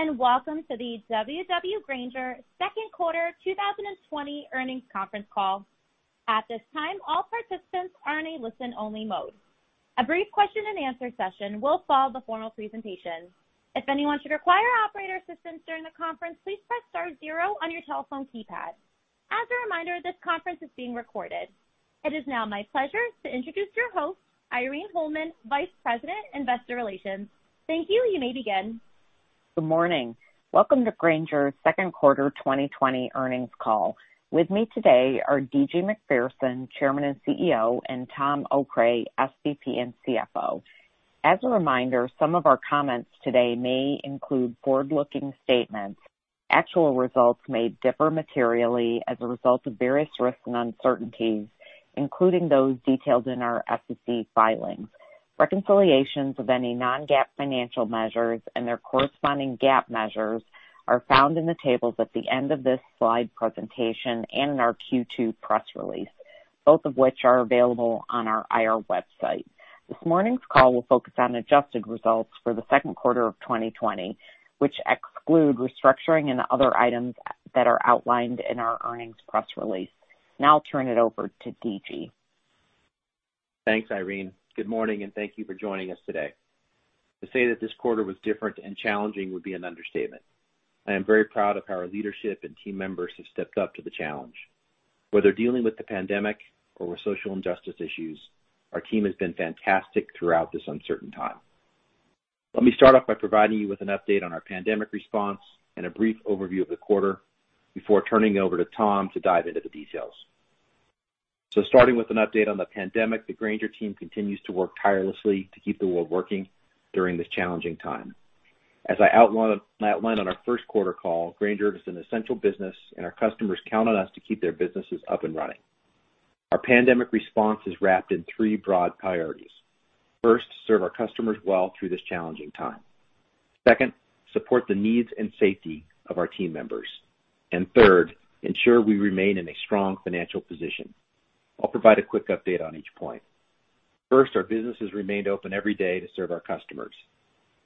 Greetings, welcome to the W.W. Grainger second quarter 2020 earnings conference call. At this time, all participants are in a listen-only mode. A brief question and answer session will follow the formal presentation. If anyone should require operator assistance during the conference, please press star zero on your telephone keypad. As a reminder, this conference is being recorded. It is now my pleasure to introduce your host, Irene Holman, Vice President, Investor Relations. Thank you. You may begin. Good morning. Welcome to Grainger's second quarter 2020 earnings call. With me today are D.G. Macpherson, Chairman and CEO, and Tom Okray, SVP and CFO. As a reminder, some of our comments today may include forward-looking statements. Actual results may differ materially as a result of various risks and uncertainties, including those detailed in our SEC filings. Reconciliations of any non-GAAP financial measures and their corresponding GAAP measures are found in the tables at the end of this slide presentation and in our Q2 press release, both of which are available on our IR website. This morning's call will focus on adjusted results for the second quarter of 2020, which exclude restructuring and other items that are outlined in our earnings press release. Now I'll turn it over to D.G. Thanks, Irene. Good morning, and thank you for joining us today. To say that this quarter was different and challenging would be an understatement. I am very proud of how our leadership and team members have stepped up to the challenge. Whether dealing with the pandemic or with social injustice issues, our team has been fantastic throughout this uncertain time. Let me start off by providing you with an update on our pandemic response and a brief overview of the quarter before turning it over to Tom to dive into the details. Starting with an update on the pandemic, the Grainger team continues to work tirelessly to keep the world working during this challenging time. As I outlined on our first quarter call, Grainger is an essential business, and our customers count on us to keep their businesses up and running. Our pandemic response is wrapped in three broad priorities. First, serve our customers well through this challenging time. Second, support the needs and safety of our team members. Third, ensure we remain in a strong financial position. I'll provide a quick update on each point. First, our business has remained open every day to serve our customers.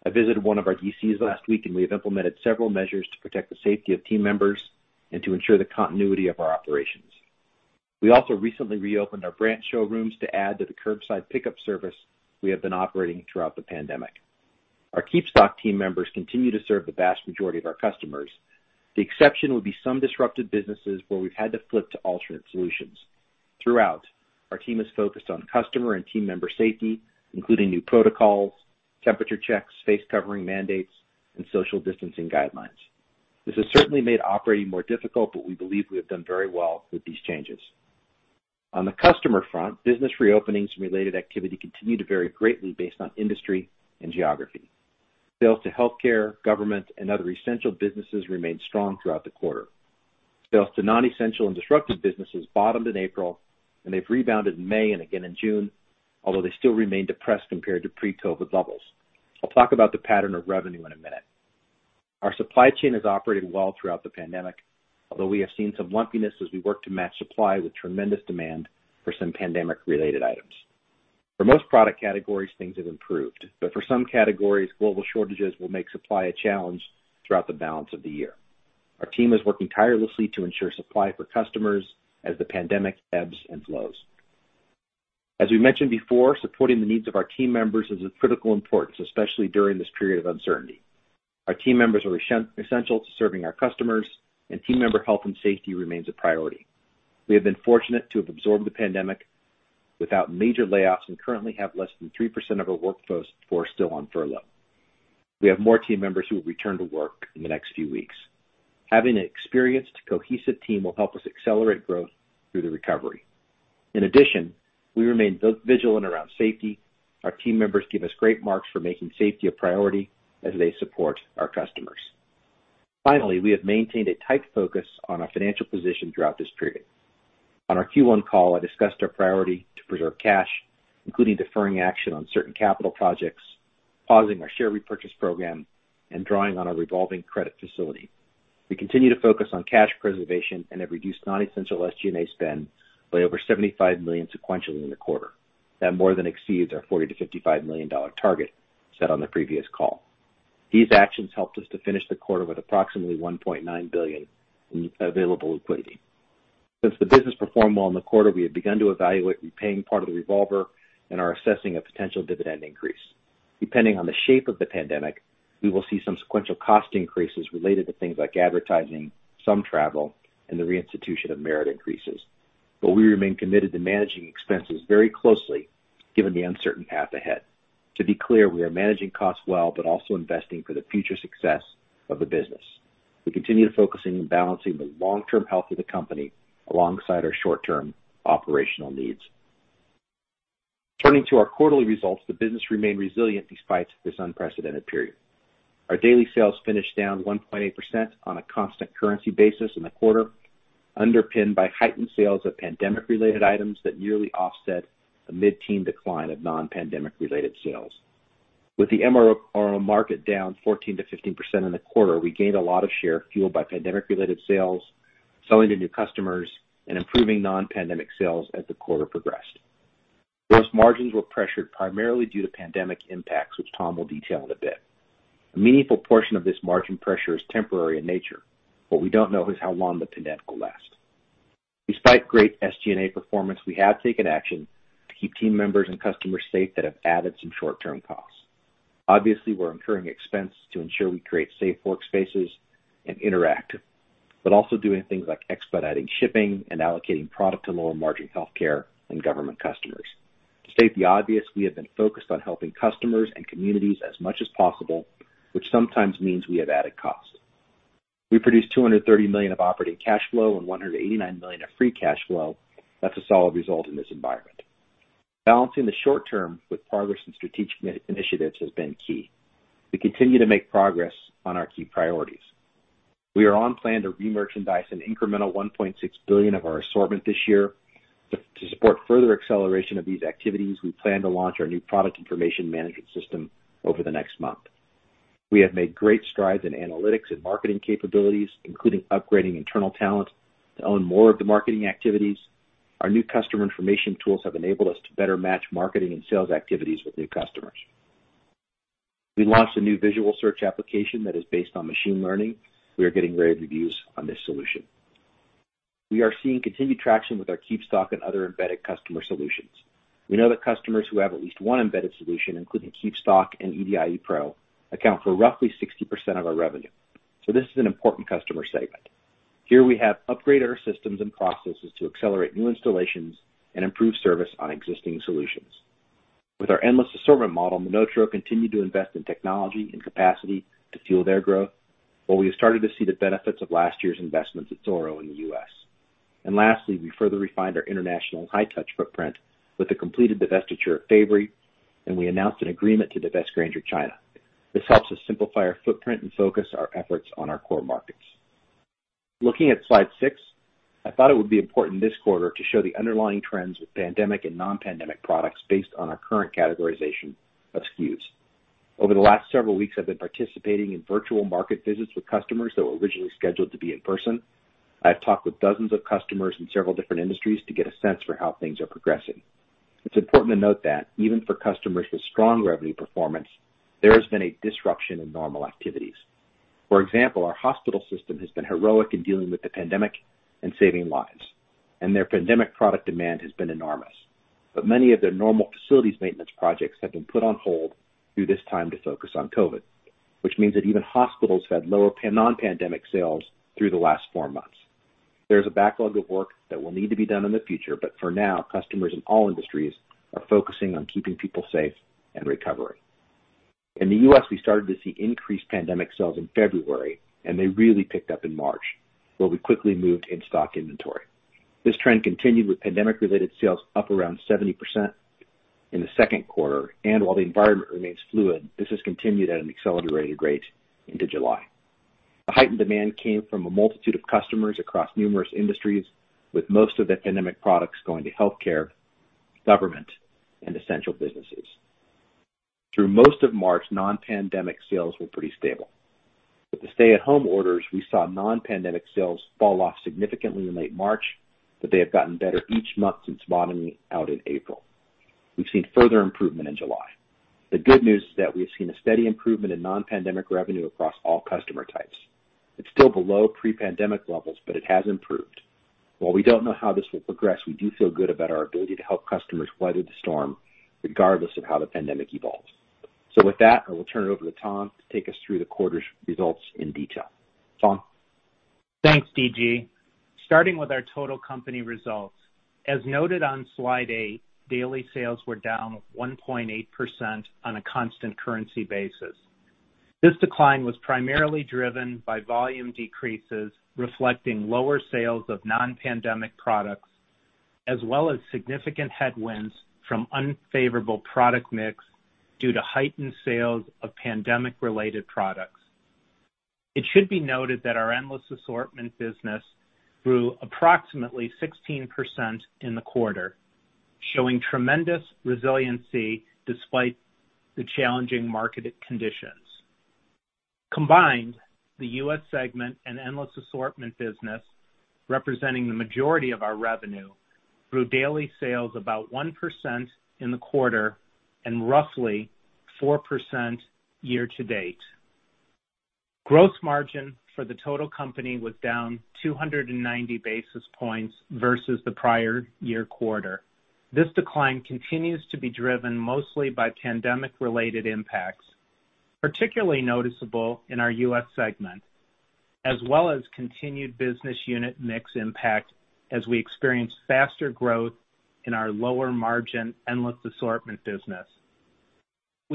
I visited one of our DCs last week, and we have implemented several measures to protect the safety of team members and to ensure the continuity of our operations. We also recently reopened our branch showrooms to add to the curbside pickup service we have been operating throughout the pandemic. Our KeepStock team members continue to serve the vast majority of our customers. The exception would be some disrupted businesses where we've had to flip to alternate solutions. Throughout, our team has focused on customer and team member safety, including new protocols, temperature checks, face covering mandates, and social distancing guidelines. This has certainly made operating more difficult, but we believe we have done very well with these changes. On the customer front, business reopenings and related activity continue to vary greatly based on industry and geography. Sales to healthcare, government, and other essential businesses remained strong throughout the quarter. Sales to non-essential and disruptive businesses bottomed in April, and they've rebounded in May and again in June, although they still remain depressed compared to pre-COVID levels. I'll talk about the pattern of revenue in a minute. Our supply chain has operated well throughout the pandemic, although we have seen some lumpiness as we work to match supply with tremendous demand for some pandemic-related items. For most product categories, things have improved, but for some categories, global shortages will make supply a challenge throughout the balance of the year. Our team is working tirelessly to ensure supply for customers as the pandemic ebbs and flows. As we mentioned before, supporting the needs of our team members is of critical importance, especially during this period of uncertainty. Our team members are essential to serving our customers, and team member health and safety remains a priority. We have been fortunate to have absorbed the pandemic without major layoffs and currently have less than 3% of our workforce who are still on furlough. We have more team members who will return to work in the next few weeks. Having an experienced, cohesive team will help us accelerate growth through the recovery. In addition, we remain vigilant around safety. Our team members give us great marks for making safety a priority as they support our customers. Finally, we have maintained a tight focus on our financial position throughout this period. On our Q1 call, I discussed our priority to preserve cash, including deferring action on certain capital projects, pausing our share repurchase program, and drawing on our revolving credit facility. We continue to focus on cash preservation and have reduced non-essential SG&A spend by over $75 million sequentially in the quarter. That more than exceeds our $40 million-$55 million target set on the previous call. These actions helped us to finish the quarter with approximately $1.9 billion in available liquidity. Since the business performed well in the quarter, we have begun to evaluate repaying part of the revolver and are assessing a potential dividend increase. Depending on the shape of the pandemic, we will see some sequential cost increases related to things like advertising, some travel, and the reinstitution of merit increases. We remain committed to managing expenses very closely given the uncertain path ahead. To be clear, we are managing costs well but also investing for the future success of the business. We continue to focus on balancing the long-term health of the company alongside our short-term operational needs. Turning to our quarterly results, the business remained resilient despite this unprecedented period. Our daily sales finished down 1.8% on a constant currency basis in the quarter, underpinned by heightened sales of pandemic-related items that nearly offset a mid-teen decline of non-pandemic-related sales. With the MRO market down 14%-15% in the quarter, we gained a lot of share fueled by pandemic-related sales, selling to new customers, and improving non-pandemic sales as the quarter progressed. Gross margins were pressured primarily due to pandemic impacts, which Tom will detail in a bit. A meaningful portion of this margin pressure is temporary in nature. What we don't know is how long the pandemic will last. Despite great SG&A performance, we have taken action to keep team members and customers safe that have added some short-term costs. Obviously, we're incurring expense to ensure we create safe workspaces and interact, but also doing things like expediting shipping and allocating product to lower margin healthcare and government customers. To state the obvious, we have been focused on helping customers and communities as much as possible, which sometimes means we have added costs. We produced $230 million of operating cash flow and $189 million of free cash flow. That's a solid result in this environment. Balancing the short term with progress and strategic initiatives has been key. We continue to make progress on our key priorities. We are on plan to remerchandise an incremental $1.6 billion of our assortment this year. To support further acceleration of these activities, we plan to launch our new product information management system over the next month. We have made great strides in analytics and marketing capabilities, including upgrading internal talent to own more of the marketing activities. Our new customer information tools have enabled us to better match marketing and sales activities with new customers. We launched a new visual search application that is based on machine learning. We are getting great reviews on this solution. We are seeing continued traction with our KeepStock and other embedded customer solutions. We know that customers who have at least one embedded solution, including KeepStock and ePro, account for roughly 60% of our revenue. This is an important customer segment. Here, we have upgraded our systems and processes to accelerate new installations and improve service on existing solutions. With our endless assortment model, MonotaRO continued to invest in technology and capacity to fuel their growth, while we have started to see the benefits of last year's investments at Zoro in the U.S. Lastly, we further refined our international high touch footprint with the completed divestiture of Fabory, and we announced an agreement to divest Grainger China. This helps us simplify our footprint and focus our efforts on our core markets. Looking at slide six, I thought it would be important this quarter to show the underlying trends with pandemic and non-pandemic products based on our current categorization of SKUs. Over the last several weeks, I've been participating in virtual market visits with customers that were originally scheduled to be in person. I have talked with dozens of customers in several different industries to get a sense for how things are progressing. It's important to note that even for customers with strong revenue performance, there has been a disruption in normal activities. For example, our hospital system has been heroic in dealing with the pandemic and saving lives, and their pandemic product demand has been enormous. Many of their normal facilities maintenance projects have been put on hold through this time to focus on COVID, which means that even hospitals have had lower non-pandemic sales through the last four months. There's a backlog of work that will need to be done in the future, but for now, customers in all industries are focusing on keeping people safe and recovering. In the U.S., we started to see increased pandemic sales in February, and they really picked up in March, where we quickly moved in stock inventory. This trend continued with pandemic-related sales up around 70% in the second quarter, and while the environment remains fluid, this has continued at an accelerated rate into July. The heightened demand came from a multitude of customers across numerous industries, with most of the pandemic products going to healthcare, government, and essential businesses. Through most of March, non-pandemic sales were pretty stable. With the stay-at-home orders, we saw non-pandemic sales fall off significantly in late March, but they have gotten better each month since bottoming out in April. We've seen further improvement in July. The good news is that we have seen a steady improvement in non-pandemic revenue across all customer types. It's still below pre-pandemic levels, but it has improved. While we don't know how this will progress, we do feel good about our ability to help customers weather the storm regardless of how the pandemic evolves. With that, I will turn it over to Tom to take us through the quarter's results in detail. Tom? Thanks, D.G. Starting with our total company results. As noted on slide eight, daily sales were down 1.8% on a constant currency basis. This decline was primarily driven by volume decreases, reflecting lower sales of non-pandemic products, as well as significant headwinds from unfavorable product mix due to heightened sales of pandemic-related products. It should be noted that our Endless Assortment Business grew approximately 16% in the quarter, showing tremendous resiliency despite the challenging market conditions. Combined, the U.S. segment and Endless Assortment Business, representing the majority of our revenue, grew daily sales about 1% in the quarter and roughly 4% year to date. Gross margin for the total company was down 290 basis points versus the prior year quarter. This decline continues to be driven mostly by pandemic-related impacts, particularly noticeable in our U.S. segment, as well as continued business unit mix impact as we experience faster growth in our lower margin Endless Assortment Business.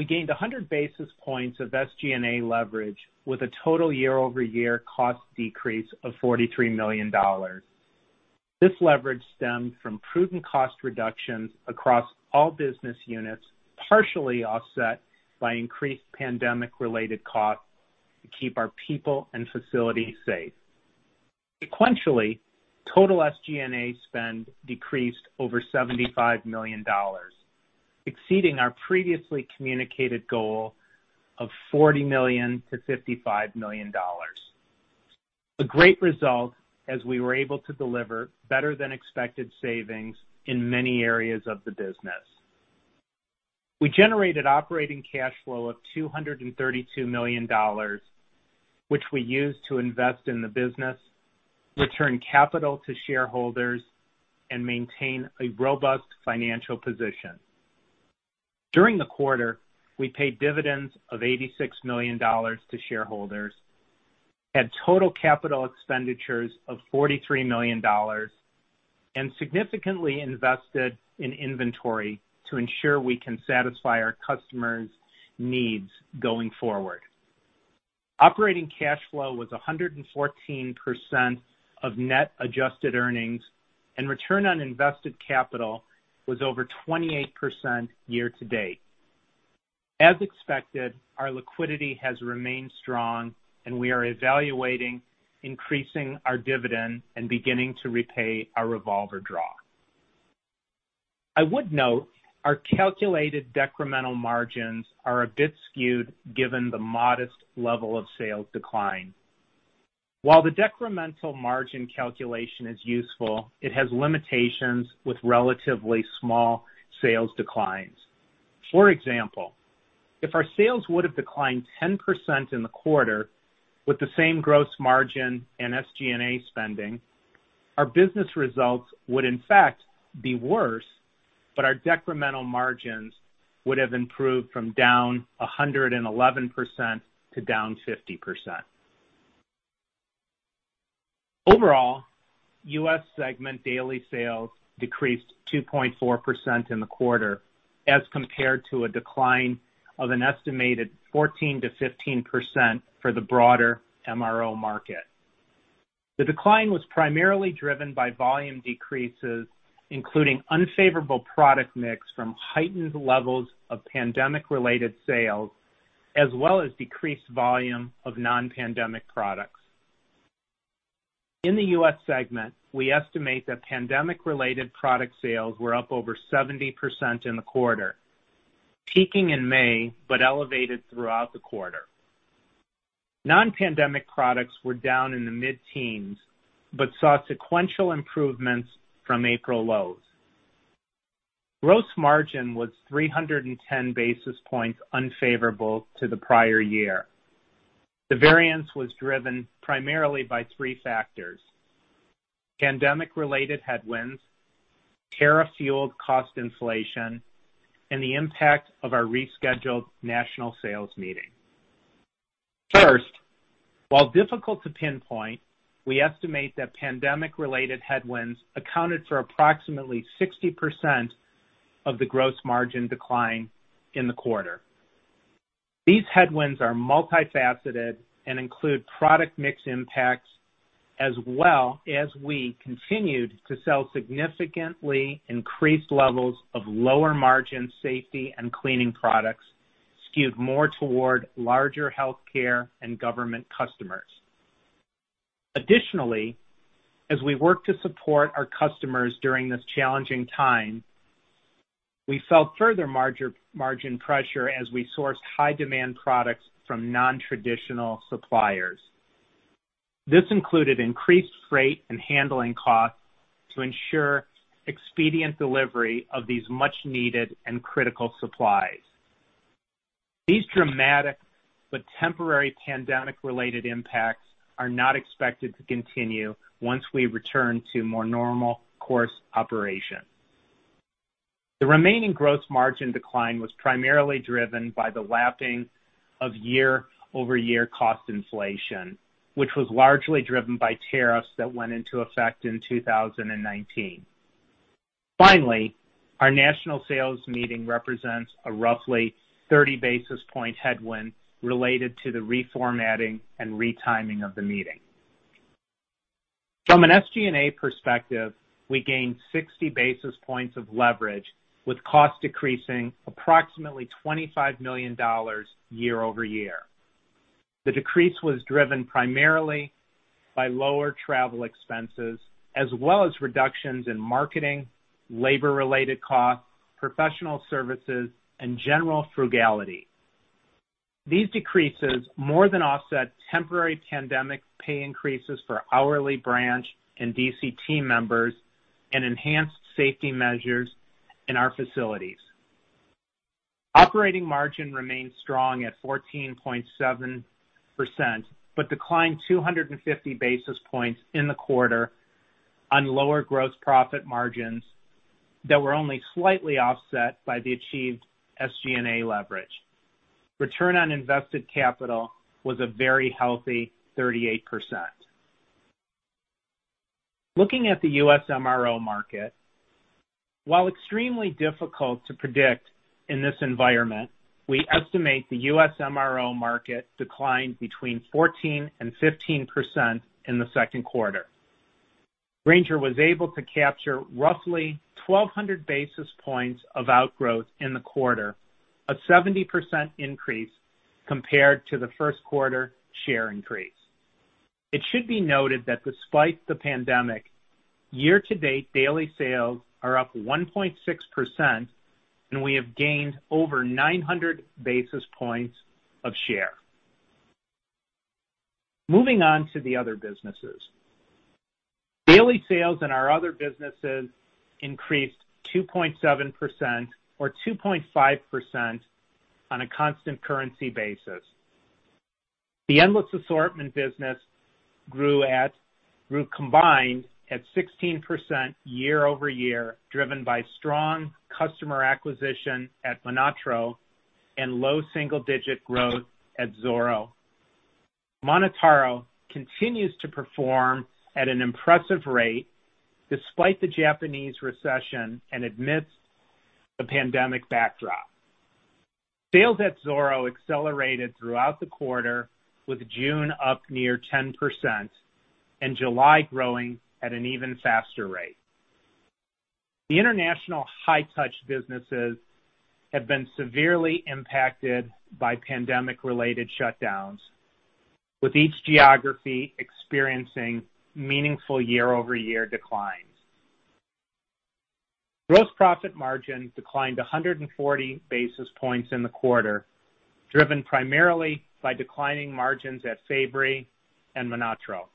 We gained 100 basis points of SG&A leverage with a total year-over-year cost decrease of $43 million. This leverage stemmed from prudent cost reductions across all business units, partially offset by increased pandemic-related costs to keep our people and facilities safe. Sequentially, total SG&A spend decreased over $75 million, exceeding our previously communicated goal of $40 million-$55 million. A great result as we were able to deliver better than expected savings in many areas of the business. We generated operating cash flow of $232 million, which we used to invest in the business, return capital to shareholders, and maintain a robust financial position. During the quarter, we paid dividends of $86 million to shareholders, had total capital expenditures of $43 million, and significantly invested in inventory to ensure we can satisfy our customers' needs going forward. Operating cash flow was 114% of net adjusted earnings, and return on invested capital was over 28% year-to-date. As expected, our liquidity has remained strong, and we are evaluating increasing our dividend and beginning to repay our revolver draw. I would note our calculated decremental margins are a bit skewed given the modest level of sales decline. While the decremental margin calculation is useful, it has limitations with relatively small sales declines. For example, if our sales would have declined 10% in the quarter with the same gross margin and SG&A spending, our business results would in fact be worse, but our decremental margins would have improved from down 111% to down 50%. Overall, U.S. segment daily sales decreased 2.4% in the quarter as compared to a decline of an estimated 14%-15% for the broader MRO market. The decline was primarily driven by volume decreases, including unfavorable product mix from heightened levels of pandemic-related sales, as well as decreased volume of non-pandemic products. In the U.S. segment, we estimate that pandemic-related product sales were up over 70% in the quarter, peaking in May, but elevated throughout the quarter. Non-pandemic products were down in the mid-teens, but saw sequential improvements from April lows. Gross margin was 310 basis points unfavorable to the prior year. The variance was driven primarily by three factors, pandemic-related headwinds, tariff-fueled cost inflation, and the impact of our rescheduled national sales meeting. First, while difficult to pinpoint, we estimate that pandemic-related headwinds accounted for approximately 60% of the gross margin decline in the quarter. These headwinds are multifaceted and include product mix impacts, as well as we continued to sell significantly increased levels of lower margin safety and cleaning products skewed more toward larger healthcare and government customers. Additionally, as we work to support our customers during this challenging time, we felt further margin pressure as we sourced high-demand products from non-traditional suppliers. This included increased freight and handling costs to ensure expedient delivery of these much-needed and critical supplies. These dramatic but temporary pandemic-related impacts are not expected to continue once we return to more normal course operation. The remaining gross margin decline was primarily driven by the lapping of year-over-year cost inflation, which was largely driven by tariffs that went into effect in 2019. Finally, our national sales meeting represents a roughly 30 basis point headwind related to the reformatting and retiming of the meeting. From an SG&A perspective, we gained 60 basis points of leverage with costs decreasing approximately $25 million year-over-year. The decrease was driven primarily by lower travel expenses, as well as reductions in marketing, labor-related costs, professional services, and general frugality. These decreases more than offset temporary pandemic pay increases for hourly branch and DC team members and enhanced safety measures in our facilities. Operating margin remains strong at 14.7%, but declined 250 basis points in the quarter on lower gross profit margins that were only slightly offset by the achieved SG&A leverage. Return on invested capital was a very healthy 38%. Looking at the U.S. MRO market, while extremely difficult to predict in this environment, we estimate the U.S. MRO market declined between 14% and 15% in the second quarter. Grainger was able to capture roughly 1,200 basis points of outgrowth in the quarter, a 70% increase compared to the first quarter share increase. It should be noted that despite the pandemic. Year-to-date daily sales are up 1.6%, and we have gained over 900 basis points of share. Moving on to the other businesses. Daily sales in our other businesses increased 2.7%, or 2.5% on a constant currency basis. The Endless Assortment Business grew combined at 16% year-over-year, driven by strong customer acquisition at MonotaRO and low single-digit growth at Zoro. MonotaRO continues to perform at an impressive rate despite the Japanese recession and amidst the pandemic backdrop. Sales at Zoro accelerated throughout the quarter, with June up near 10% and July growing at an even faster rate. The international high-touch businesses have been severely impacted by pandemic-related shutdowns, with each geography experiencing meaningful year-over-year declines. Gross profit margin declined 140 basis points in the quarter, driven primarily by declining margins at Fabory and MonotaRO.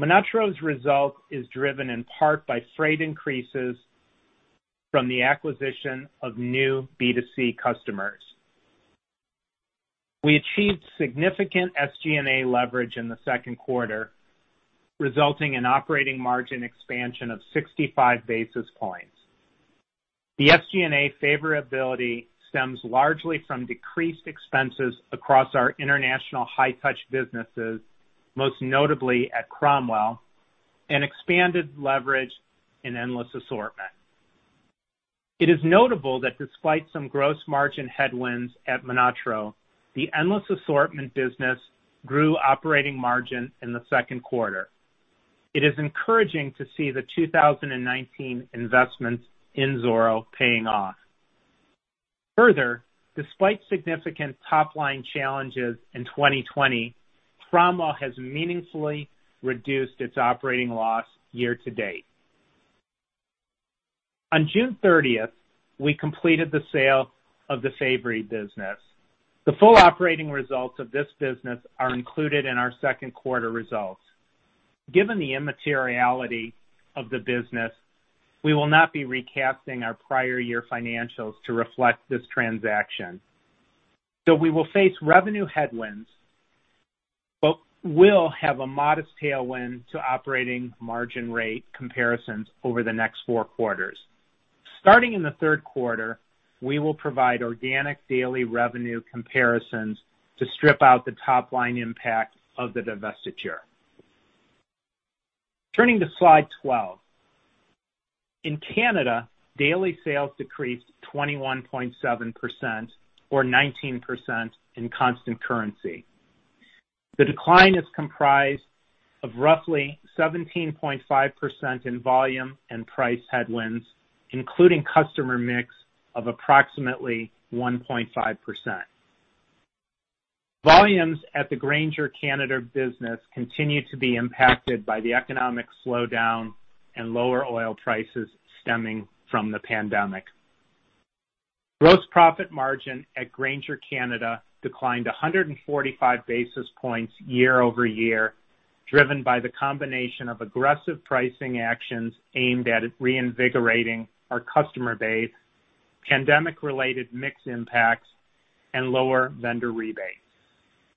MonotaRO's result is driven in part by freight increases from the acquisition of new B2C customers. We achieved significant SG&A leverage in the second quarter, resulting in operating margin expansion of 65 basis points. The SG&A favorability stems largely from decreased expenses across our international high-touch businesses, most notably at Cromwell, and expanded leverage in endless assortment. It is notable that despite some gross margin headwinds at MonotaRO, the Endless Assortment Business grew operating margin in the second quarter. It is encouraging to see the 2019 investments in Zoro paying off. Further, despite significant top-line challenges in 2020, Cromwell has meaningfully reduced its operating loss year-to-date. On June 30th, we completed the sale of the Fabory business. The full operating results of this business are included in our second quarter results. Given the immateriality of the business, we will not be recasting our prior year financials to reflect this transaction. We will face revenue headwinds, but will have a modest tailwind to operating margin rate comparisons over the next four quarters. Starting in Q3, we will provide organic daily revenue comparisons to strip out the top-line impact of the divestiture. Turning to slide 12. In Canada, daily sales decreased 21.7%, or 19% in constant currency. The decline is comprised of roughly 17.5% in volume and price headwinds, including customer mix of approximately 1.5%. Volumes at the Grainger Canada business continue to be impacted by the economic slowdown and lower oil prices stemming from the pandemic. Gross profit margin at Grainger Canada declined 145 basis points year-over-year, driven by the combination of aggressive pricing actions aimed at reinvigorating our customer base, pandemic-related mix impacts, and lower vendor rebates.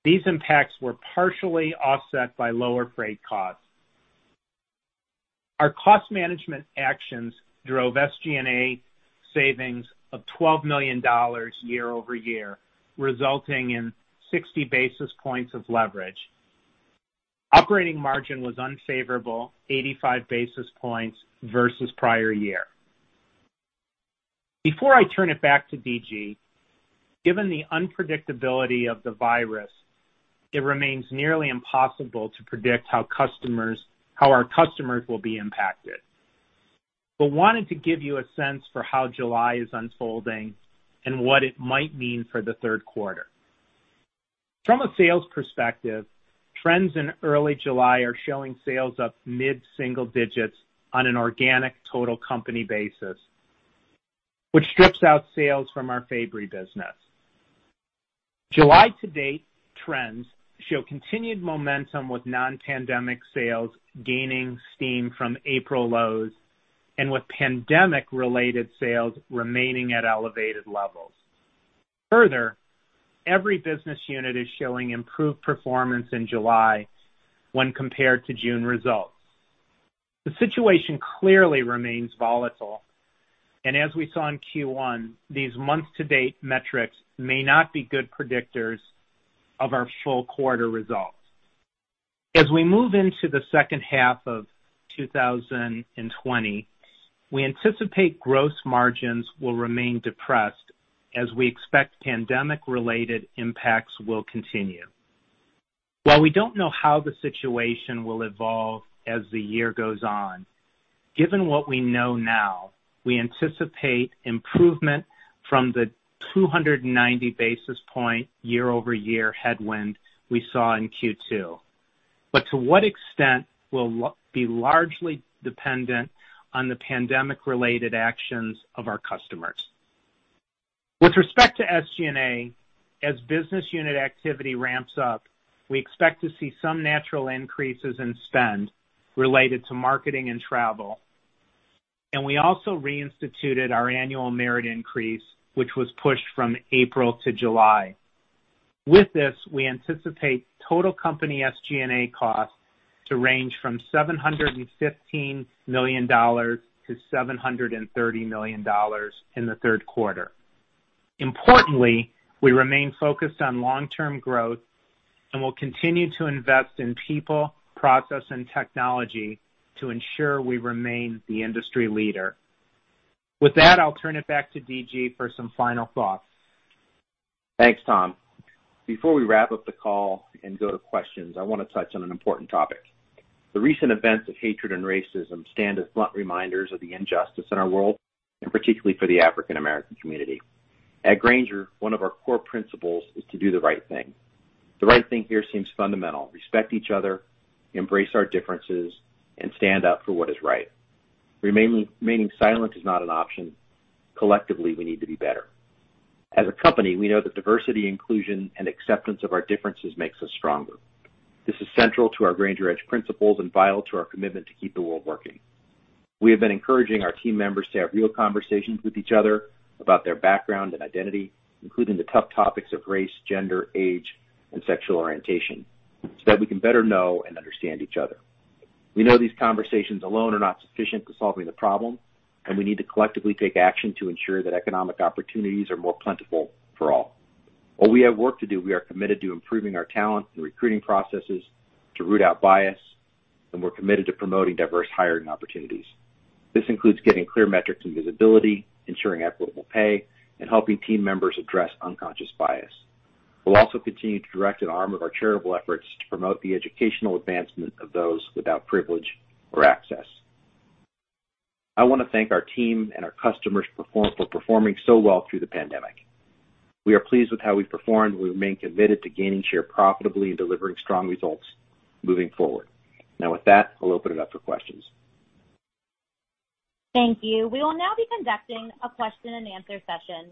These impacts were partially offset by lower freight costs. Our cost management actions drove SG&A savings of $12 million year-over-year, resulting in 60 basis points of leverage. Operating margin was unfavorable 85 basis points versus prior year. Before I turn it back to D.G., given the unpredictability of the virus, it remains nearly impossible to predict how our customers will be impacted. Wanted to give you a sense for how July is unfolding and what it might mean for the third quarter. From a sales perspective, trends in early July are showing sales up mid-single digits on an organic total company basis, which strips out sales from our Fabory business. July to date trends show continued momentum with non-pandemic sales gaining steam from April lows and with pandemic-related sales remaining at elevated levels. Further, every business unit is showing improved performance in July when compared to June results. The situation clearly remains volatile, and as we saw in Q1, these month-to-date metrics may not be good predictors of our full quarter results. As we move into the second half of 2020, we anticipate gross margins will remain depressed as we expect pandemic-related impacts will continue. While we don't know how the situation will evolve as the year goes on. Given what we know now, we anticipate improvement from the 290 basis point year-over-year headwind we saw in Q2. To what extent will be largely dependent on the pandemic-related actions of our customers. With respect to SG&A, as business unit activity ramps up, we expect to see some natural increases in spend related to marketing and travel. We also reinstituted our annual merit increase, which was pushed from April to July. With this, we anticipate total company SG&A costs to range from $715 million-$730 million in the third quarter. Importantly, we remain focused on long-term growth, we'll continue to invest in people, process, and technology to ensure we remain the industry leader. With that, I'll turn it back to D.G. for some final thoughts. Thanks, Tom. Before we wrap up the call and go to questions, I want to touch on an important topic. The recent events of hatred and racism stand as blunt reminders of the injustice in our world, and particularly for the African American community. At Grainger, one of our core principles is to do the right thing. The right thing here seems fundamental, respect each other, embrace our differences, and stand up for what is right. Remaining silent is not an option. Collectively, we need to be better. As a company, we know that diversity, inclusion, and acceptance of our differences makes us stronger. This is central to our Grainger Edge principles and vital to our commitment to keep the world working. We have been encouraging our team members to have real conversations with each other about their background and identity, including the tough topics of race, gender, age, and sexual orientation, so that we can better know and understand each other. We know these conversations alone are not sufficient to solving the problem, and we need to collectively take action to ensure that economic opportunities are more plentiful for all. While we have work to do, we are committed to improving our talent and recruiting processes to root out bias, and we're committed to promoting diverse hiring opportunities. This includes getting clear metrics and visibility, ensuring equitable pay, and helping team members address unconscious bias. We'll also continue to direct an arm of our charitable efforts to promote the educational advancement of those without privilege or access. I want to thank our team and our customers for performing so well through the pandemic. We are pleased with how we've performed. We remain committed to gaining share profitably and delivering strong results moving forward. With that, I'll open it up for questions. Thank you. We will now be conducting a question and answer session.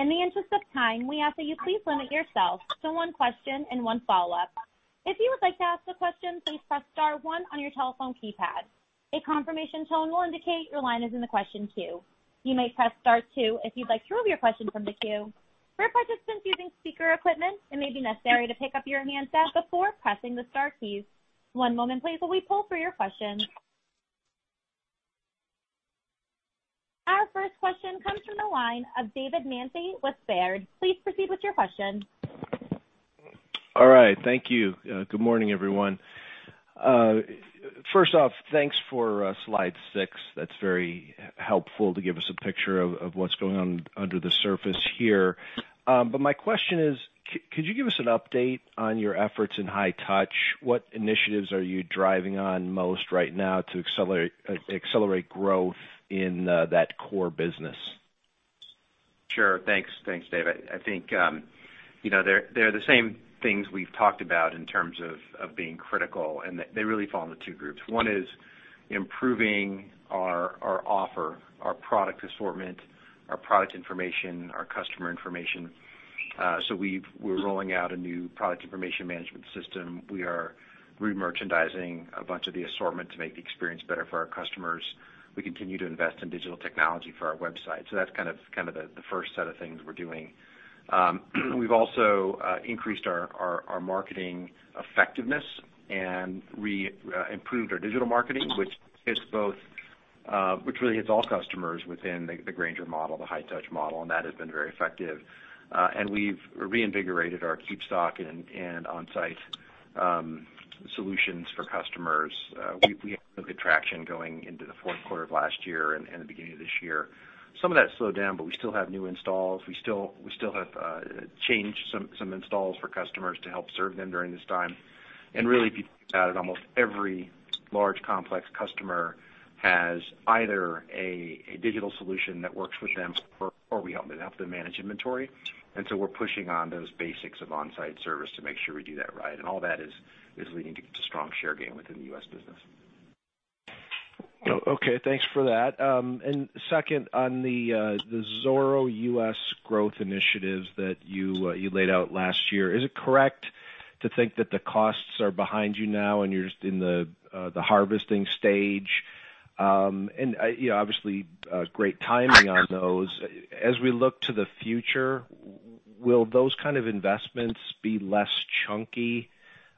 In the interest of time, we ask that you please limit yourself to one question and one follow-up. If you would like to ask a question, please press star one on your telephone keypad. A confirmation tone will indicate your line is in the question queue. You may press star two if you'd like to remove your question from the queue. For participants using speaker equipment, it may be necessary to pick up your handset before pressing the star keys. One moment please while we pull for your question. Our first question comes from the line of David Manthey with Baird. Please proceed with your question. All right. Thank you. Good morning, everyone. First off, thanks for slide six. That's very helpful to give us a picture of what's going on under the surface here. My question is, could you give us an update on your efforts in high touch? What initiatives are you driving on most right now to accelerate growth in that core business? Sure. Thanks, David. I think, they're the same things we've talked about in terms of being critical. They really fall into two groups. One is improving our offer, our product assortment, our product information, our customer information. We're rolling out a new product information management system. We are re-merchandising a bunch of the assortment to make the experience better for our customers. We continue to invest in digital technology for our website. That's kind of the first set of things we're doing. We've also increased our marketing effectiveness and improved our digital marketing, which really hits all customers within the Grainger model, the high touch model, and that has been very effective. We've reinvigorated our KeepStock and onsite solutions for customers. We have good traction going into the fourth quarter of last year and the beginning of this year. Some of that slowed down, but we still have new installs. We still have changed some installs for customers to help serve them during this time. Really, if you think about it, almost every large, complex customer has either a digital solution that works with them or we help them manage inventory, and so we're pushing on those basics of on-site service to make sure we do that right. All that is leading to strong share gain within the U.S. business. Okay, thanks for that. Second, on the Zoro US growth initiatives that you laid out last year, is it correct to think that the costs are behind you now and you're just in the harvesting stage? Obviously, great timing on those. As we look to the future, will those kind of investments be less chunky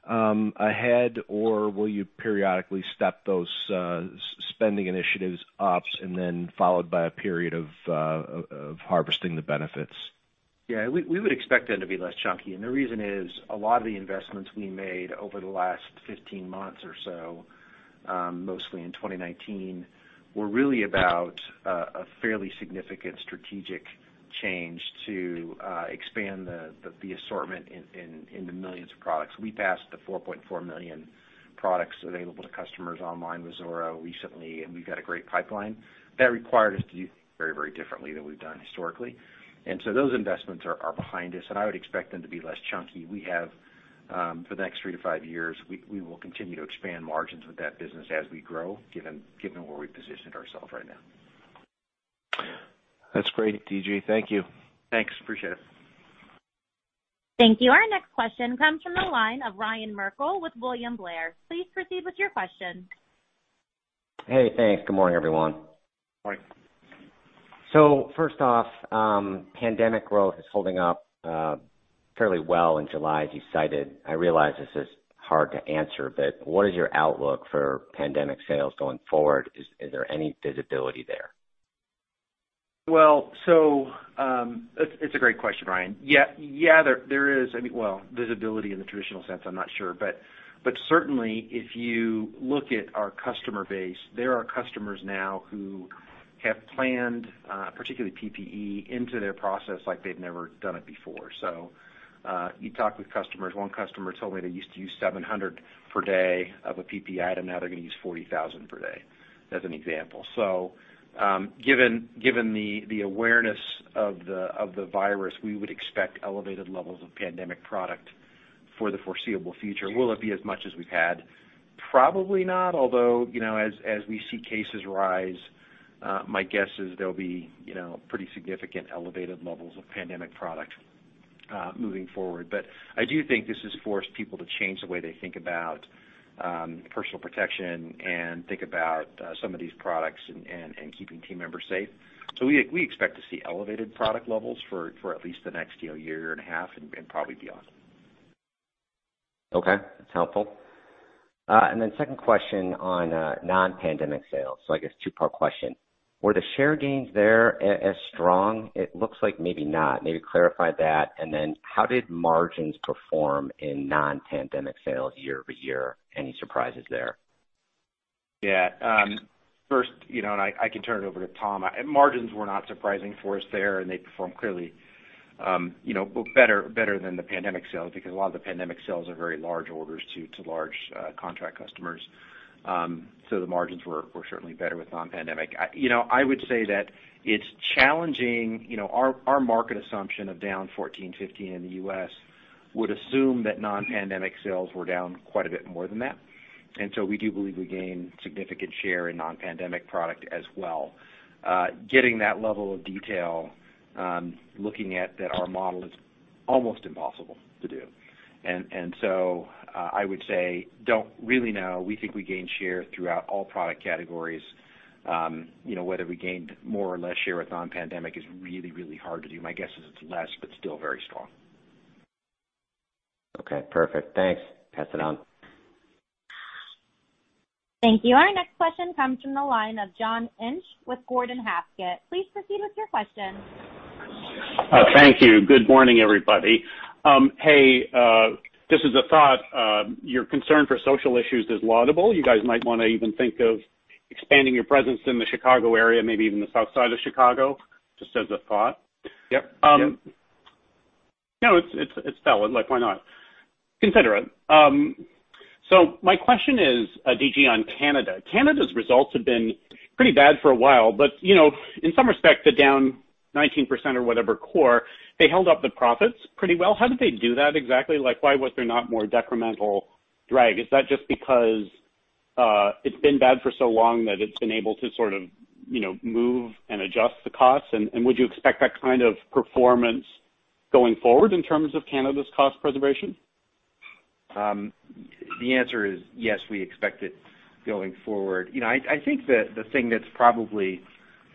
ahead, or will you periodically step those spending initiatives up and then followed by a period of harvesting the benefits? Yeah, we would expect them to be less chunky. The reason is, a lot of the investments we made over the last 15 months or so, mostly in 2019, were really about a fairly significant strategic change to expand the assortment in the millions of products. We passed the 4.4 million products available to customers online with Zoro recently, and we've got a great pipeline. That required us to do very differently than we've done historically. Those investments are behind us, and I would expect them to be less chunky. We have for the next three to five years, we will continue to expand margins with that business as we grow, given where we've positioned ourselves right now. That's great, D.G. Thank you. Thanks. Appreciate it. Thank you. Our next question comes from the line of Ryan Merkel with William Blair. Please proceed with your question. Hey, thanks. Good morning, everyone. Morning. First off, pandemic growth is holding up fairly well in July, as you cited. I realize this is hard to answer, what is your outlook for pandemic sales going forward? Is there any visibility there? It's a great question, Ryan. Visibility in the traditional sense, I'm not sure. Certainly, if you look at our customer base, there are customers now who have planned, particularly PPE, into their process like they've never done it before. You talk with customers. One customer told me they used to use 700 per day of a PPE item. Now they're going to use 40,000 per day, as an example. Given the awareness of the virus, we would expect elevated levels of pandemic product for the foreseeable future. Will it be as much as we've had? Probably not, although, as we see cases rise, my guess is there'll be pretty significant elevated levels of pandemic product moving forward. I do think this has forced people to change the way they think about personal protection and think about some of these products and keeping team members safe. We expect to see elevated product levels for at least the next year and a half and probably beyond. Okay. That's helpful. Second question on non-pandemic sales. I guess two-part question. Were the share gains there as strong? It looks like maybe not. Maybe clarify that, how did margins perform in non-pandemic sales year-over-year? Any surprises there? First, I can turn it over to Tom. Margins were not surprising for us there, they performed clearly better than the pandemic sales because a lot of the pandemic sales are very large orders to large contract customers. The margins were certainly better with non-pandemic. I would say that it's challenging. Our market assumption of down 14%, 15% in the U.S. would assume that non-pandemic sales were down quite a bit more than that. We do believe we gained significant share in non-pandemic product as well. Getting that level of detail, looking at that, our model is almost impossible to do. I would say, don't really know. We think we gained share throughout all product categories. Whether we gained more or less share with non-pandemic is really hard to do. My guess is it's less, but still very strong. Okay, perfect. Thanks. Pass it on. Thank you. Our next question comes from the line of John Inch with Gordon Haskett. Please proceed with your question. Thank you. Good morning, everybody. Hey, this is a thought. Your concern for social issues is laudable. You guys might want to even think of expanding your presence in the Chicago area, maybe even the south side of Chicago. Just as a thought. Yep. No, it's valid. Like, why not? Consider it. My question is, D.G., on Canada. Canada's results have been pretty bad for a while, but in some respect, the down 19% or whatever core, they held up the profits pretty well. How did they do that exactly? Why was there not more decremental drag? Is that just because it's been bad for so long that it's been able to sort of move and adjust the costs? Would you expect that kind of performance going forward in terms of Canada's cost preservation? The answer is yes, we expect it going forward. I think that the thing that's probably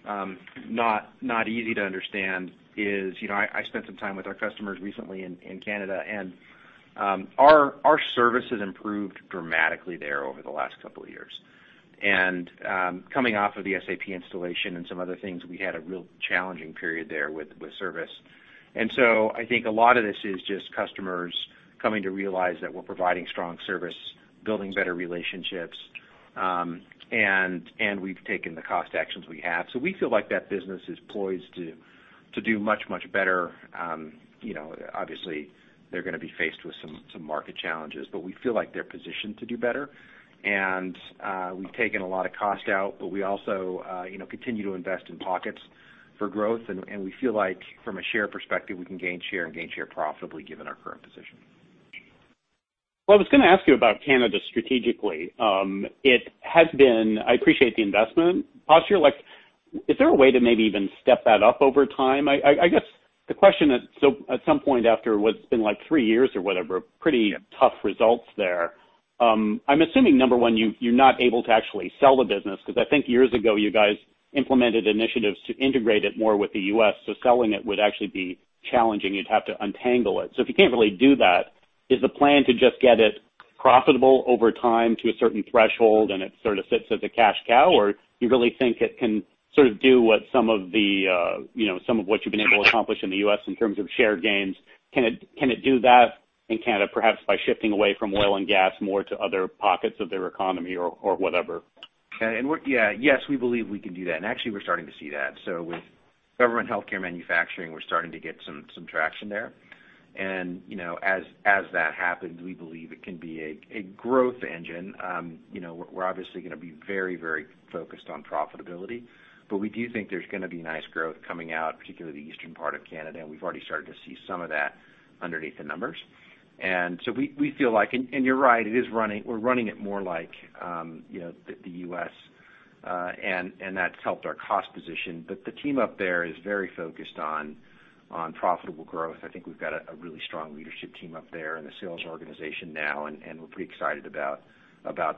not easy to understand is, I spent some time with our customers recently in Canada. Our service has improved dramatically there over the last couple of years. Coming off of the SAP installation and some other things, we had a real challenging period there with service. I think a lot of this is just customers coming to realize that we're providing strong service, building better relationships, and we've taken the cost actions we have. We feel like that business is poised to do much better. Obviously, they're going to be faced with some market challenges. We feel like they're positioned to do better. We've taken a lot of cost out, but we also continue to invest in pockets for growth, and we feel like from a share perspective, we can gain share and gain share profitably given our current position. Well, I was going to ask you about Canada strategically. I appreciate the investment posture. Is there a way to maybe even step that up over time? I guess the question is, at some point after what's been three years or whatever, pretty tough results there. I'm assuming, number one, you're not able to actually sell the business because I think years ago you guys implemented initiatives to integrate it more with the U.S., selling it would actually be challenging. You'd have to untangle it. If you can't really do that, is the plan to just get it profitable over time to a certain threshold and it sort of sits as a cash cow? Do you really think it can sort of do what some of what you've been able to accomplish in the U.S. in terms of share gains? Can it do that in Canada, perhaps by shifting away from oil and gas more to other pockets of their economy or whatever? Okay. Yes, we believe we can do that. Actually, we're starting to see that. With government healthcare manufacturing, we're starting to get some traction there. As that happens, we believe it can be a growth engine. We're obviously going to be very focused on profitability, but we do think there's going to be nice growth coming out, particularly the eastern part of Canada, and we've already started to see some of that underneath the numbers. We feel like, and you're right, we're running it more like the U.S., and that's helped our cost position. The team up there is very focused on profitable growth. I think we've got a really strong leadership team up there in the sales organization now, and we're pretty excited about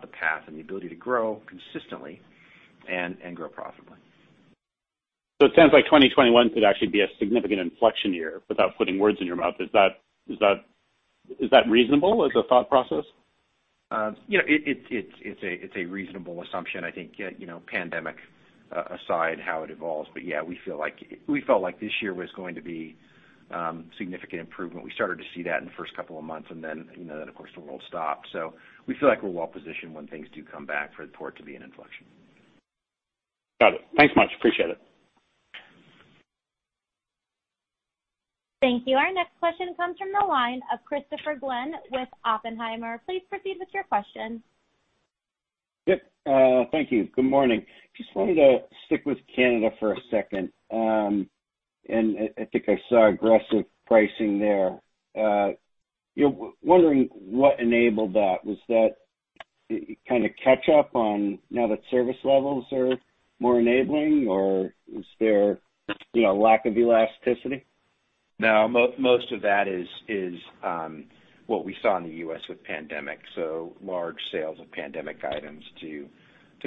the path and the ability to grow consistently and grow profitably. It sounds like 2021 could actually be a significant inflection year, without putting words in your mouth. Is that reasonable as a thought process? It's a reasonable assumption, I think, pandemic aside, how it evolves. Yeah, we felt like this year was going to be significant improvement. We started to see that in the first couple of months, of course, the world stopped. We feel like we're well positioned when things do come back for the point to be an inflection. Got it. Thanks much. Appreciate it. Thank you. Our next question comes from the line of Christopher Glynn with Oppenheimer. Please proceed with your question. Yep. Thank you. Good morning. Just wanted to stick with Canada for a second. I think I saw aggressive pricing there. Wondering what enabled that. Was that kind of catch up now that service levels are more enabling, or is there lack of elasticity? Most of that is what we saw in the U.S. with pandemic, large sales of pandemic items to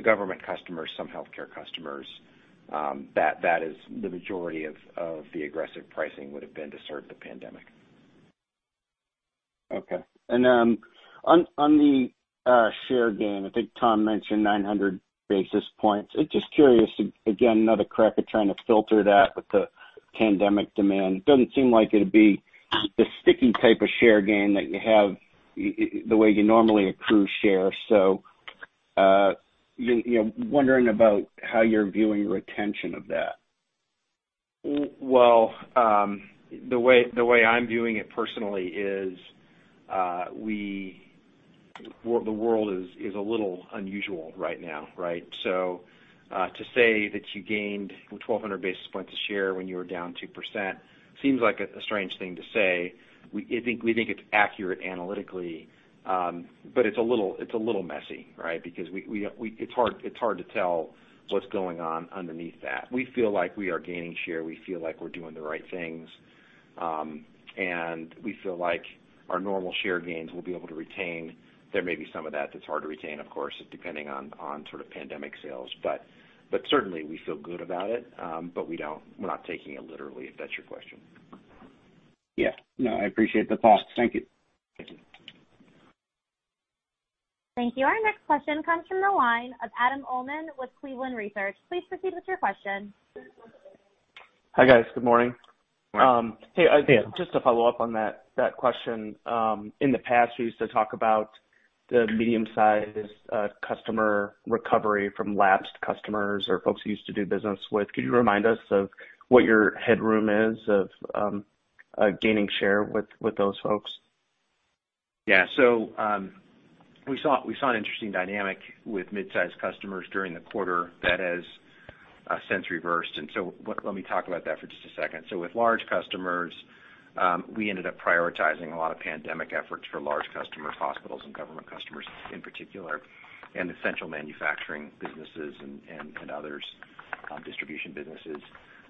government customers, some healthcare customers. That is the majority of the aggressive pricing would've been to serve the pandemic. Okay. On the share gain, I think Tom mentioned 900 basis points. Just curious, again, another crack at trying to filter that with the pandemic demand. It doesn't seem like it'd be the sticky type of share gain that you have the way you normally accrue share. Wondering about how you're viewing retention of that. Well, the way I'm viewing it personally is the world is a little unusual right now, right? To say that you gained 1,200 basis points of share when you were down 2% seems like a strange thing to say. We think it's accurate analytically, but it's a little messy, right? Because it's hard to tell what's going on underneath that. We feel like we are gaining share. We feel like we're doing the right things. We feel like our normal share gains we'll be able to retain. There may be some of that that's hard to retain, of course, depending on sort of pandemic sales. Certainly we feel good about it. We're not taking it literally, if that's your question. Yeah. No, I appreciate the thought. Thank you. Thank you. Thank you. Our next question comes from the line of Adam Uhlman with Cleveland Research. Please proceed with your question. Hi, guys. Good morning. Morning. Hey- Hey. Just to follow up on that question. In the past, you used to talk about the medium-sized customer recovery from lapsed customers or folks you used to do business with. Could you remind us of what your headroom is of gaining share with those folks? Yeah. We saw an interesting dynamic with mid-size customers during the quarter that has since reversed. Let me talk about that for just a second. With large customers, we ended up prioritizing a lot of pandemic efforts for large customers, hospitals and government customers in particular, and essential manufacturing businesses and others, distribution businesses.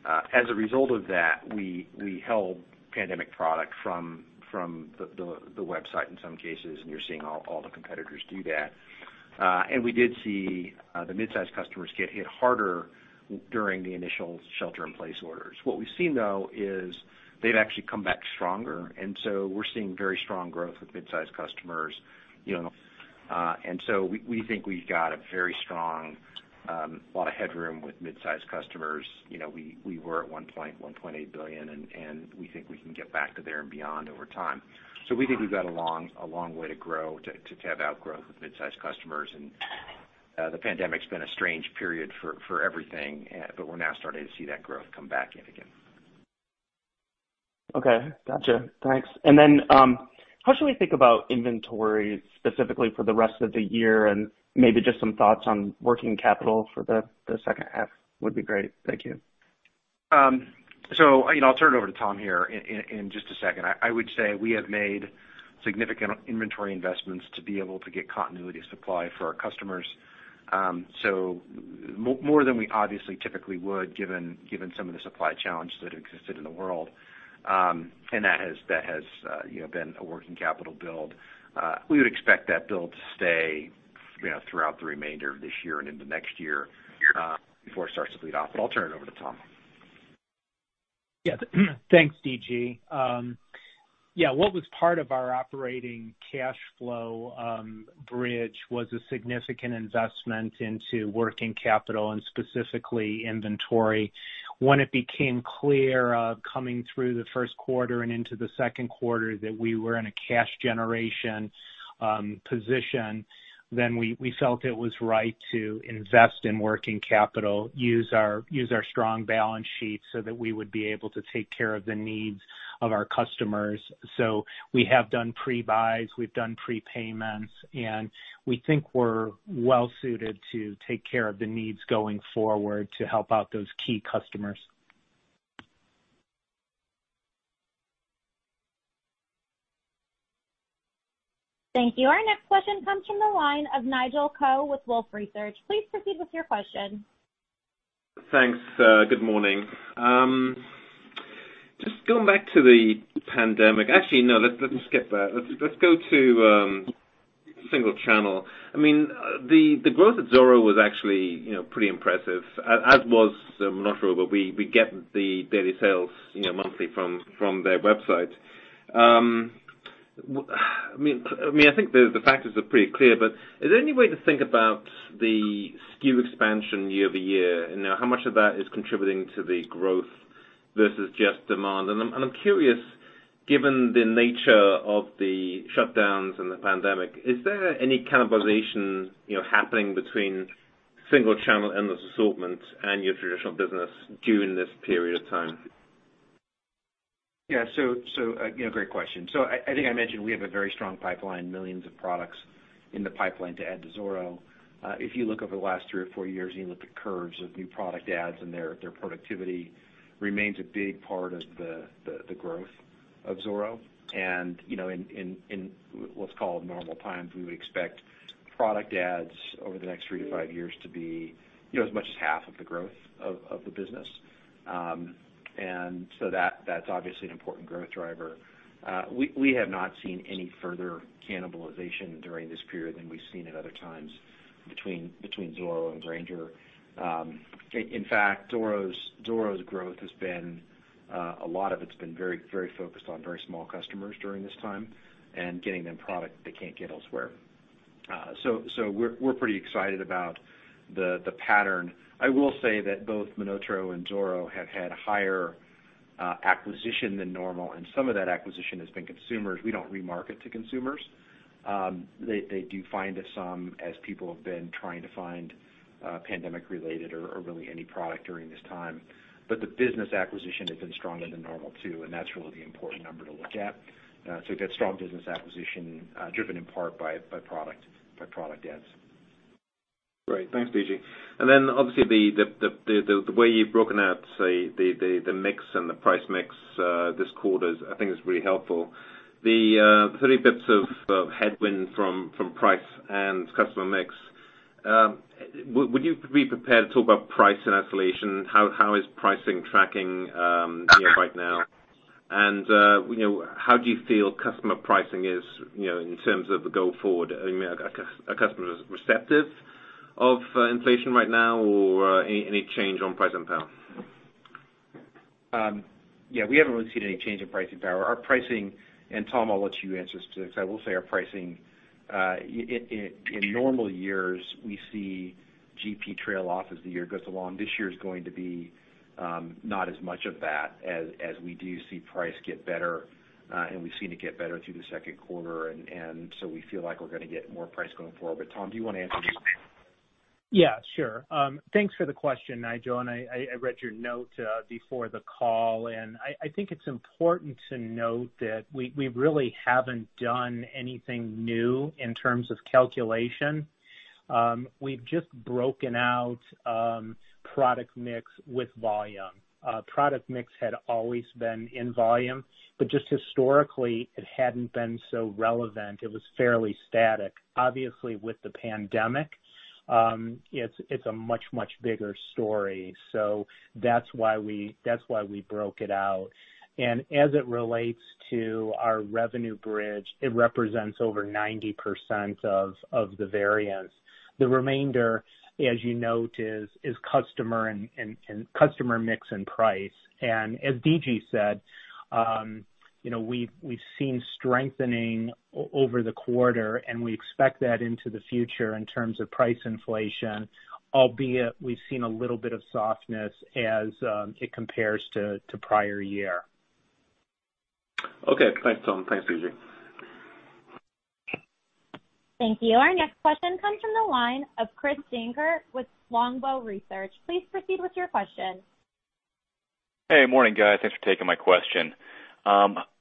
As a result of that, we held pandemic product from the website in some cases, and you're seeing all the competitors do that. We did see the mid-size customers get hit harder during the initial shelter-in-place orders. What we've seen, though, is they've actually come back stronger, and so we're seeing very strong growth with mid-size customers. We think we've got a very strong lot of headroom with mid-size customers. We were at one point $1.8 billion, and we think we can get back to there and beyond over time. We think we've got a long way to grow, to have outgrowth with mid-size customers. The pandemic's been a strange period for everything, but we're now starting to see that growth come back yet again. Okay. Gotcha. Thanks. How should we think about inventory specifically for the rest of the year and maybe just some thoughts on working capital for the second half would be great. Thank you. I'll turn it over to Tom here in just a second. I would say we have made significant inventory investments to be able to get continuity of supply for our customers. More than we obviously typically would given some of the supply challenges that existed in the world. That has been a working capital build. We would expect that build to stay throughout the remainder of this year and into next year before it starts to bleed off. I'll turn it over to Tom. Thanks, D.G. What was part of our operating cash flow bridge was a significant investment into working capital and specifically inventory. When it became clear, coming through the first quarter and into the second quarter, that we were in a cash generation position, then we felt it was right to invest in working capital, use our strong balance sheet so that we would be able to take care of the needs of our customers. We have done pre-buys, we've done prepayments, and we think we're well-suited to take care of the needs going forward to help out those key customers. Thank you. Our next question comes from the line of Nigel Coe with Wolfe Research. Please proceed with your question. Thanks. Good morning. Just going back to the pandemic. No, let's skip that. Let's just go to single channel. The growth at Zoro was actually pretty impressive, as was MonotaRO. We get the daily sales monthly from their website. I think the factors are pretty clear. Is there any way to think about the SKU expansion year-over-year, how much of that is contributing to the growth versus just demand? I'm curious, given the nature of the shutdowns and the pandemic, is there any cannibalization happening between single channel and this assortment and your traditional business during this period of time? Great question. I think I mentioned we have a very strong pipeline, millions of products in the pipeline to add to Zoro. If you look over the last three or four years and you look at curves of new product adds and their productivity, remains a big part of the growth of Zoro. In what's called normal times, we would expect product adds over the next three to five years to be as much as half of the growth of the business. That's obviously an important growth driver. We have not seen any further cannibalization during this period than we've seen at other times between Zoro and Grainger. In fact, Zoro's growth, a lot of it's been very focused on very small customers during this time and getting them product they can't get elsewhere. We're pretty excited about the pattern. I will say that both MonotaRO and Zoro have had higher acquisition than normal, and some of that acquisition has been consumers. We don't remarket to consumers. They do find us some as people have been trying to find pandemic related or really any product during this time. The business acquisition has been stronger than normal, too, and that's really the important number to look at. You get strong business acquisition driven in part by product adds. Great. Thanks, DG. Obviously the way you've broken out, say, the mix and the price mix this quarter, I think is really helpful. The 30 basis points of headwind from price and customer mix. Would you be prepared to talk about price in isolation? How is pricing tracking right now? How do you feel customer pricing is in terms of the go forward? Are customers receptive of inflation right now, or any change on pricing power? Yeah, we haven't really seen any change in pricing power. Our pricing, Tom, I'll let you answer this too, because I will say our pricing, in normal years, we see GP trail off as the year goes along. This year is going to be not as much of that as we do see price get better, and we've seen it get better through the second quarter. We feel like we're going to get more price going forward. Tom, do you want to answer this? Yeah, sure. Thanks for the question, Nigel, I read your note before the call, and I think it's important to note that we really haven't done anything new in terms of calculation. We've just broken out product mix with volume. Product mix had always been in volume, but just historically, it hadn't been so relevant. It was fairly static. Obviously, with the pandemic, it's a much, much bigger story. That's why we broke it out. As it relates to our revenue bridge, it represents over 90% of the variance. The remainder, as you note, is customer mix and price. As D.G. said, we've seen strengthening over the quarter, and we expect that into the future in terms of price inflation, albeit we've seen a little bit of softness as it compares to prior year. Okay. Thanks, Tom. Thanks, D.G. Thank you. Our next question comes from the line of Chris Snyder with Longbow Research. Please proceed with your question. Hey, morning, guys. Thanks for taking my question.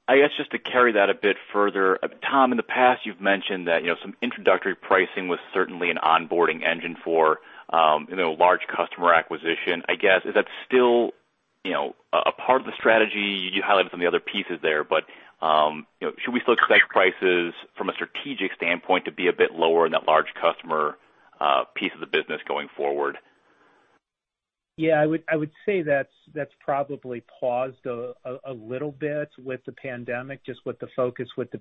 I guess just to carry that a bit further, Tom, in the past, you've mentioned that some introductory pricing was certainly an onboarding engine for large customer acquisition. I guess, is that still a part of the strategy? You highlighted some of the other pieces there, but should we still expect prices from a strategic standpoint to be a bit lower in that large customer piece of the business going forward? I would say that's probably paused a little bit with the pandemic, just with the focus with the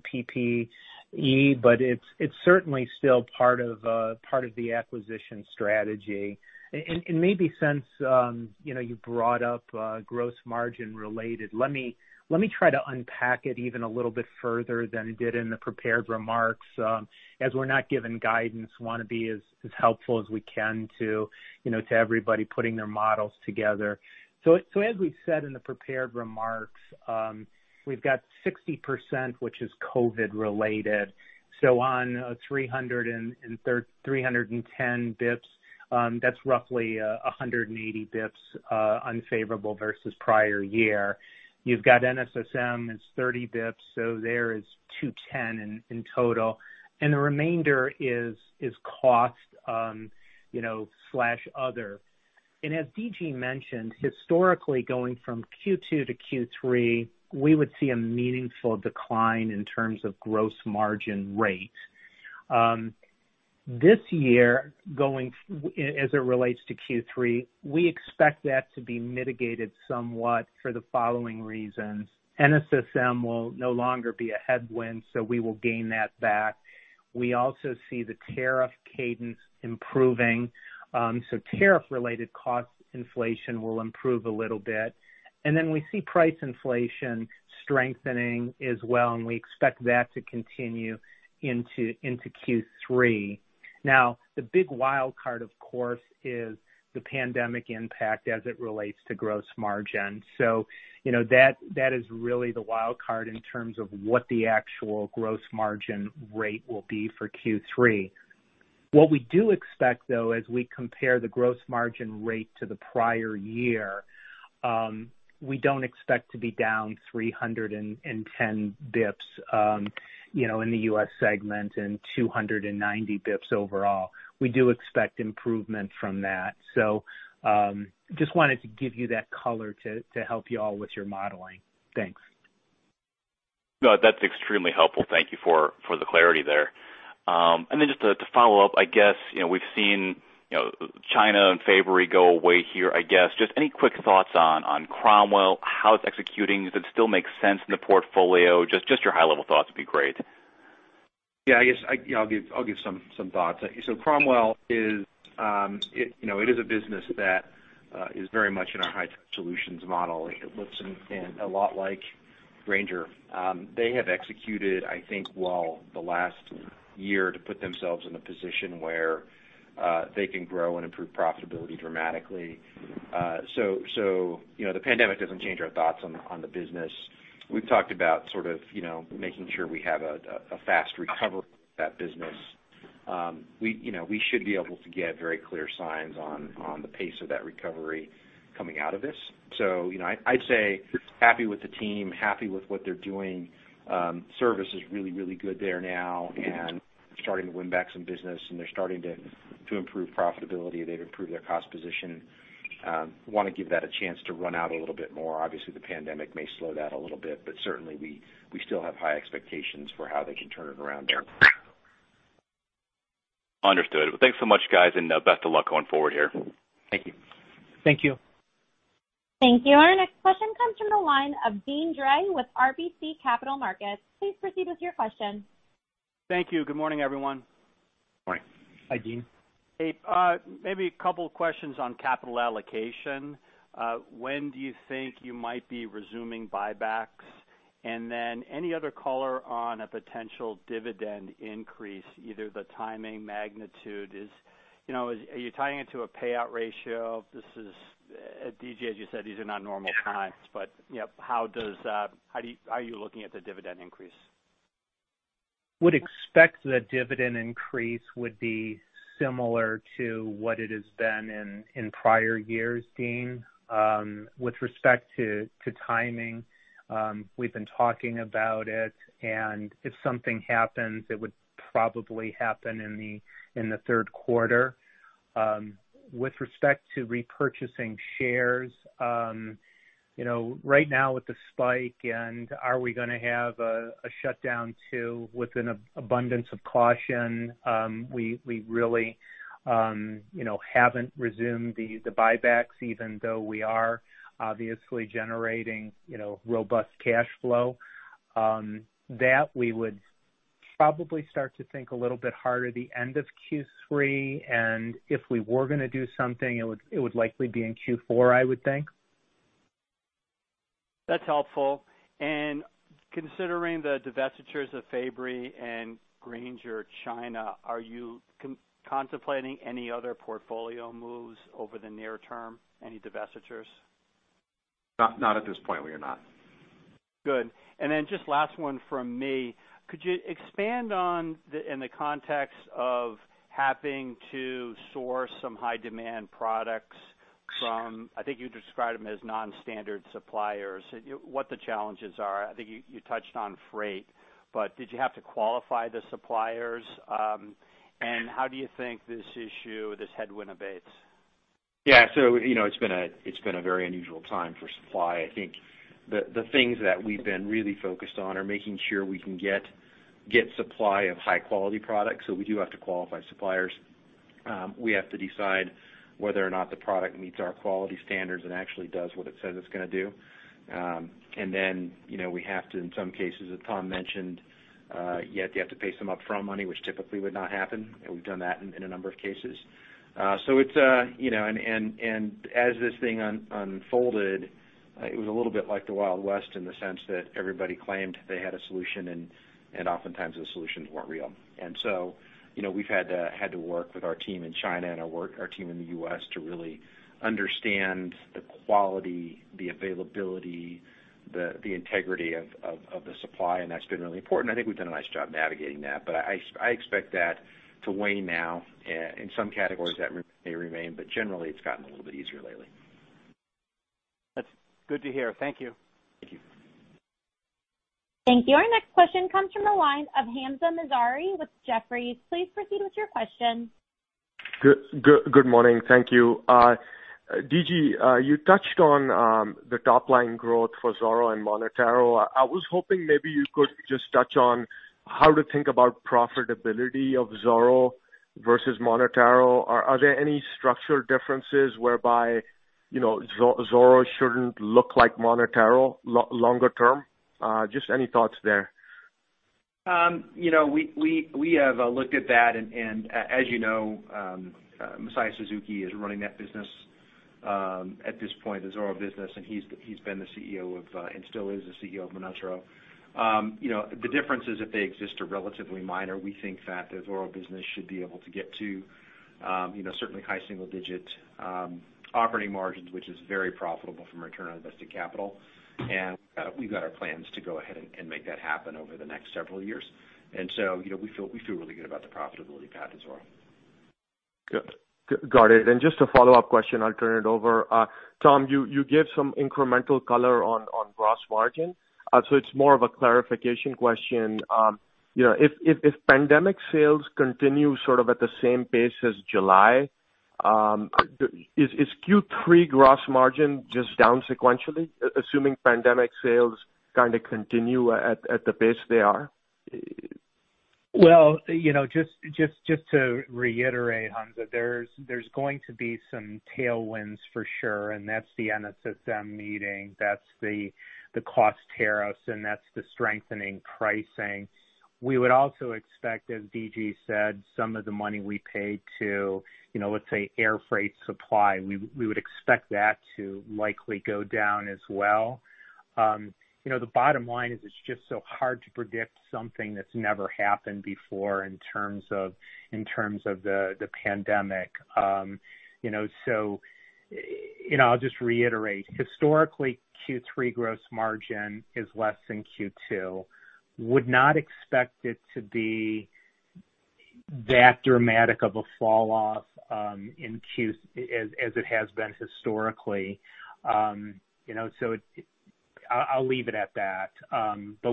PPE, but it's certainly still part of the acquisition strategy. Maybe since you brought up gross margin related, let me try to unpack it even a little bit further than it did in the prepared remarks. We're not given guidance, want to be as helpful as we can to everybody putting their models together. As we said in the prepared remarks, we've got 60%, which is COVID related. On 310 basis points, that's roughly 180 basis points unfavorable versus prior year. You've got NSM is 30 basis points, so there is 210 in total, and the remainder is cost slash other. As D.G. mentioned, historically going from Q2 to Q3, we would see a meaningful decline in terms of gross margin rate. This year, as it relates to Q3, we expect that to be mitigated somewhat for the following reasons. NSM will no longer be a headwind, we will gain that back. We also see the tariff cadence improving, so tariff related cost inflation will improve a little bit. We see price inflation strengthening as well, and we expect that to continue into Q3. The big wild card, of course, is the pandemic impact as it relates to gross margin. That is really the wild card in terms of what the actual gross margin rate will be for Q3. What we do expect, though, as we compare the gross margin rate to the prior year, we don't expect to be down 310 basis points in the U.S. segment and 290 basis points overall. We do expect improvement from that. Just wanted to give you that color to help you all with your modeling. Thanks. No, that's extremely helpful. Thank you for the clarity there. Then just to follow up, I guess, we've seen China and Fabory go away here, I guess. Just any quick thoughts on Cromwell, how it's executing? Does it still make sense in the portfolio? Just your high level thoughts would be great. Yeah. I guess I'll give some thoughts. Cromwell, it is a business that is very much in our High-Touch Solutions model. It looks a lot like Grainger. They have executed, I think, well the last year to put themselves in a position where they can grow and improve profitability dramatically. The pandemic doesn't change our thoughts on the business. We've talked about sort of making sure we have a fast recovery of that business. We should be able to get very clear signs on the pace of that recovery coming out of this. I'd say happy with the team, happy with what they're doing. Service is really good there now, and starting to win back some business, and they're starting to improve profitability. They've improved their cost position. Want to give that a chance to run out a little bit more. Obviously, the pandemic may slow that a little bit, but certainly we still have high expectations for how they can turn it around there. Understood. Well, thanks so much, guys, and best of luck going forward here. Thank you. Thank you. Thank you. Our next question comes from the line of Deane Dray with RBC Capital Markets. Please proceed with your question. Thank you. Good morning, everyone. Morning. Hi, Deane. Hey. Maybe a couple questions on capital allocation. When do you think you might be resuming buybacks? Any other color on a potential dividend increase, either the timing, magnitude is. Are you tying it to a payout ratio? D.G., as you said, these are not normal times, but how are you looking at the dividend increase? Would expect the dividend increase would be similar to what it has been in prior years, Deane. With respect to timing, we've been talking about it, and if something happens, it would probably happen in the third quarter. With respect to repurchasing shares, right now with the spike and are we going to have a shutdown too with an abundance of caution? We really haven't resumed the buybacks even though we are obviously generating robust cash flow. That we would probably start to think a little bit harder the end of Q3, and if we were going to do something, it would likely be in Q4, I would think. That's helpful. Considering the divestitures of Fabory and Grainger China, are you contemplating any other portfolio moves over the near term? Any divestitures? Not at this point, we are not. Good. Just last one from me. Could you expand on, in the context of having to source some high demand products from, I think you described them as non-standard suppliers, what the challenges are? I think you touched on freight, did you have to qualify the suppliers? How do you think this issue, this headwind abates? It's been a very unusual time for supply. I think the things that we've been really focused on are making sure we can get supply of high-quality products. We do have to qualify suppliers. We have to decide whether or not the product meets our quality standards and actually does what it says it's going to do. Then we have to, in some cases, as Tom mentioned, you have to pay some upfront money, which typically would not happen, and we've done that in a number of cases. As this thing unfolded, it was a little bit like the Wild West in the sense that everybody claimed they had a solution, and oftentimes, the solutions weren't real. We've had to work with our team in China and our team in the U.S. to really understand the quality, the availability, the integrity of the supply, and that's been really important. I think we've done a nice job navigating that. I expect that to wane now. In some categories that may remain, but generally, it's gotten a little bit easier lately. That's good to hear. Thank you. Thank you. Thank you. Our next question comes from the line of Hamzah Mazari with Jefferies. Please proceed with your question. Good morning. Thank you. D.G., you touched on the top-line growth for Zoro and MonotaRO. I was hoping maybe you could just touch on how to think about profitability of Zoro versus MonotaRO. Are there any structural differences whereby Zoro shouldn't look like MonotaRO longer term? Just any thoughts there. We have looked at that. As you know, Masaya Suzuki is running that business at this point, the Zoro business, and he's been the CEO of, and still is the CEO of MonotaRO. The differences, if they exist, are relatively minor. We think that the Zoro business should be able to get to certainly high single-digit operating margins, which is very profitable from a return on invested capital. We've got our plans to go ahead and make that happen over the next several years. We feel really good about the profitability path of Zoro. Good. Got it. Just a follow-up question, I'll turn it over. Tom, you gave some incremental color on gross margin. It's more of a clarification question. If pandemic sales continue sort of at the same pace as July, is Q3 gross margin just down sequentially, assuming pandemic sales kind of continue at the pace they are? Just to reiterate, Hamzah, there's going to be some tailwinds for sure, and that's the NSM meeting, that's the cost tariffs, and that's the strengthening pricing. We would also expect, as D.G. said, some of the money we paid to, let's say, air freight supply, we would expect that to likely go down as well. The bottom line is it's just so hard to predict something that's never happened before in terms of the pandemic. I'll just reiterate. Historically, Q3 gross margin is less than Q2. Would not expect it to be that dramatic of a fall off as it has been historically. I'll leave it at that.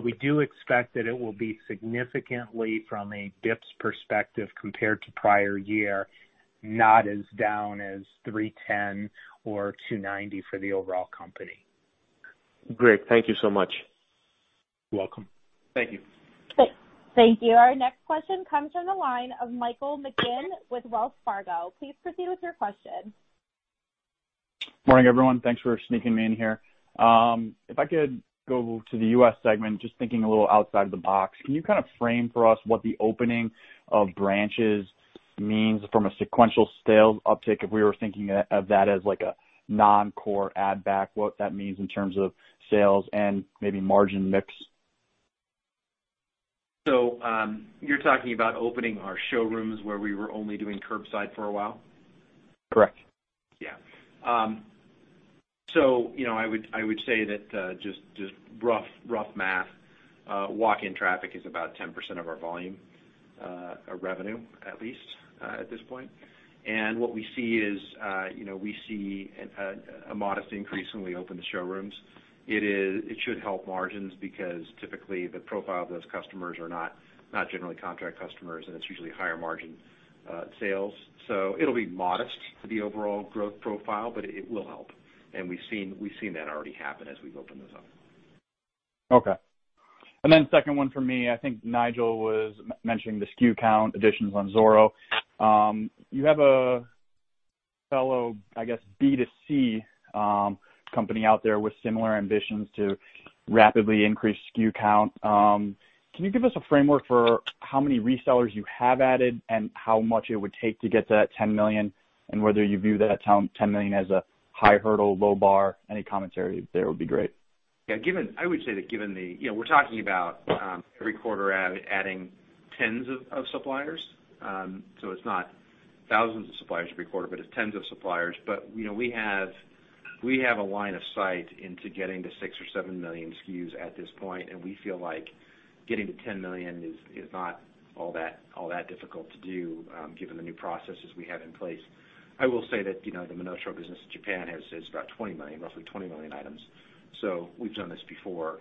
We do expect that it will be significantly from a bps perspective compared to prior year, not as down as 310 or 290 for the overall company. Great. Thank you so much. You're welcome. Thank you. Thank you. Our next question comes from the line of Michael McGinn with Wells Fargo. Please proceed with your question. Morning, everyone. Thanks for sneaking me in here. If I could go to the U.S. segment, just thinking a little outside of the box. Can you kind of frame for us what the opening of branches means from a sequential sales uptick, if we were thinking of that as like a non-core add back, what that means in terms of sales and maybe margin mix? You're talking about opening our showrooms where we were only doing curbside for a while? Correct. I would say that, just rough math, walk-in traffic is about 10% of our volume, our revenue, at least, at this point. What we see is we see a modest increase when we open the showrooms. It should help margins because typically the profile of those customers are not generally contract customers, and it's usually higher margin sales. It'll be modest to the overall growth profile, but it will help, and we've seen that already happen as we've opened those up. Okay. Second one for me. I think Nigel was mentioning the SKU count additions on Zoro. You have a fellow, I guess, B2C company out there with similar ambitions to rapidly increase SKU count. Can you give us a framework for how many resellers you have added and how much it would take to get to that 10 million, and whether you view that 10 million as a high hurdle, low bar? Any commentary there would be great. Yeah. We're talking about every quarter adding tens of suppliers. It's not thousands of suppliers every quarter, but it's tens of suppliers. We have a line of sight into getting to 6 or 7 million SKUs at this point, and we feel like getting to 10 million is not all that difficult to do given the new processes we have in place. I will say that the MonotaRO business in Japan has about roughly 20 million items. We've done this before.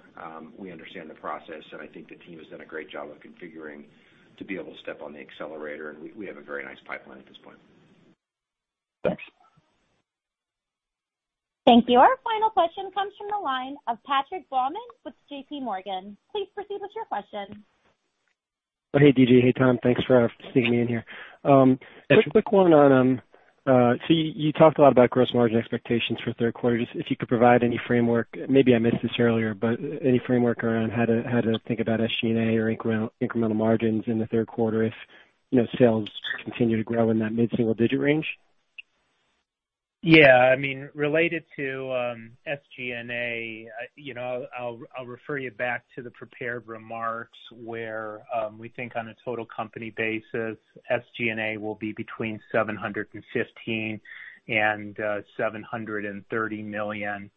We understand the process, and I think the team has done a great job of configuring to be able to step on the accelerator, and we have a very nice pipeline at this point. Thanks. Thank you. Our final question comes from the line of Patrick Baumann with JPMorgan. Please proceed with your question. Hey, D.G. Hey, Tom. Thanks for seeing me in here. Quick one on. You talked a lot about gross margin expectations for third quarter. Just if you could provide any framework, maybe I missed this earlier, but any framework around how to think about SG&A or incremental margins in the third quarter if sales continue to grow in that mid-single digit range? Yeah. Related to SG&A, I'll refer you back to the prepared remarks where we think on a total company basis, SG&A will be between $715 million and $730 million.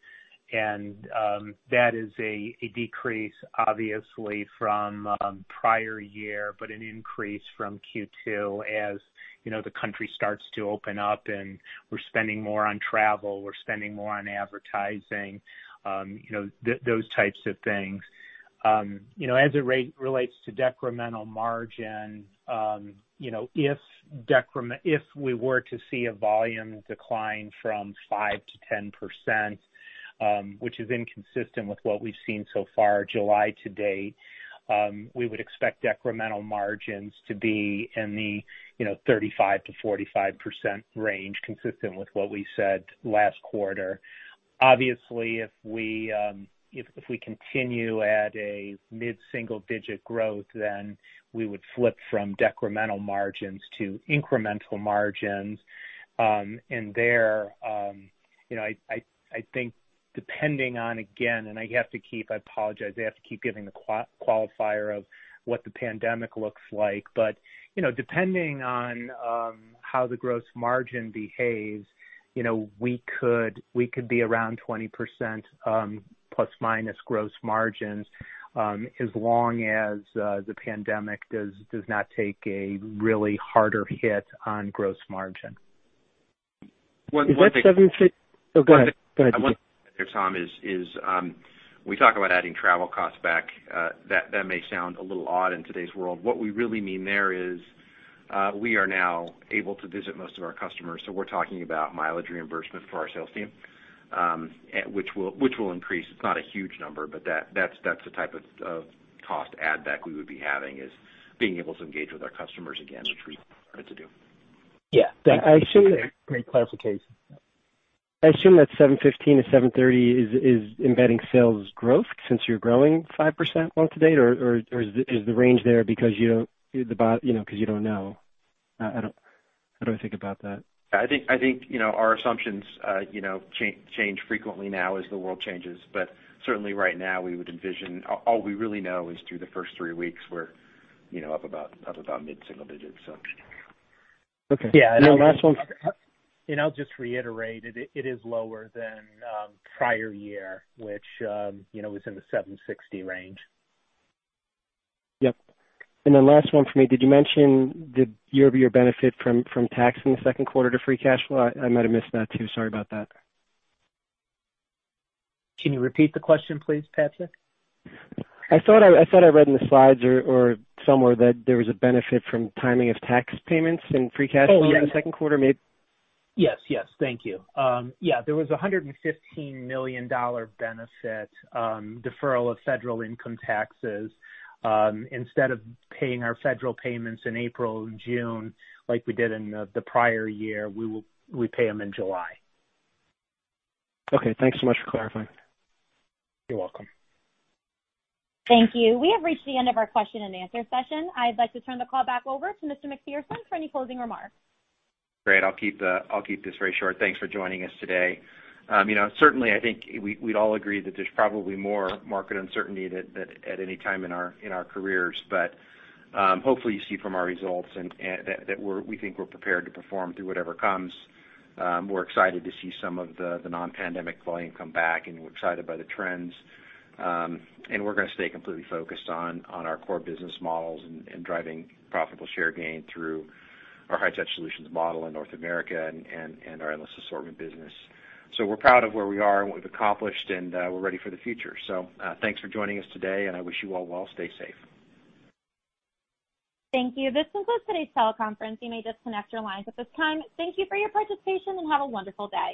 That is a decrease, obviously, from prior year, but an increase from Q2 as the country starts to open up and we're spending more on travel, we're spending more on advertising, those types of things. As it relates to decremental margin, if we were to see a volume decline from 5%-10%, which is inconsistent with what we've seen so far July to date, we would expect decremental margins to be in the 35% -45% range, consistent with what we said last quarter. If we continue at a mid-single digit growth, then we would flip from decremental margins to incremental margins. There, I think depending on, again, and I apologize, I have to keep giving the qualifier of what the pandemic looks like, depending on how the gross margin behaves, we could be around 20% plus minus gross margins, as long as the pandemic does not take a really harder hit on gross margin. Is that seven? Oh, go ahead. Go ahead. One thing there, Tom, is we talk about adding travel costs back. That may sound a little odd in today's world. What we really mean there is we are now able to visit most of our customers, so we're talking about mileage reimbursement for our sales team, which will increase. It's not a huge number, but that's the type of cost add back we would be having is being able to engage with our customers again, which we are excited to do. Yeah. Great clarification. I assume that 715-730 is embedding sales growth since you're growing 5% month to date, or is the range there because you don't know? How do I think about that? I think our assumptions change frequently now as the world changes. Certainly right now we would envision, all we really know is through the first three weeks we're up about mid-single digits. Okay. I'll just reiterate, it is lower than prior year, which was in the $760 range. Yep. Last one for me, did you mention the year-over-year benefit from tax in the second quarter to free cash flow? I might have missed that, too. Sorry about that. Can you repeat the question please, Patrick? I thought I read in the slides or somewhere that there was a benefit from timing of tax payments in free cash flow. Oh, yeah. In the second quarter, maybe. Yes. Thank you. Yeah, there was $115 million benefit deferral of federal income taxes. Instead of paying our federal payments in April and June like we did in the prior year, we pay them in July. Okay, thanks so much for clarifying. You're welcome. Thank you. We have reached the end of our question and answer session. I'd like to turn the call back over to Mr. Macpherson for any closing remarks. Great. I'll keep this very short. Thanks for joining us today. Certainly, I think we'd all agree that there's probably more market uncertainty at any time in our careers, but hopefully you see from our results that we think we're prepared to perform through whatever comes. We're excited to see some of the non-pandemic volume come back, and we're excited by the trends. We're going to stay completely focused on our core business models and driving profitable share gain through our high-tech solutions model in North America and our Endless Assortment Business. We're proud of where we are and what we've accomplished, and we're ready for the future. Thanks for joining us today, and I wish you all well. Stay safe. Thank you. This concludes today's teleconference. You may disconnect your lines at this time. Thank you for your participation, and have a wonderful day.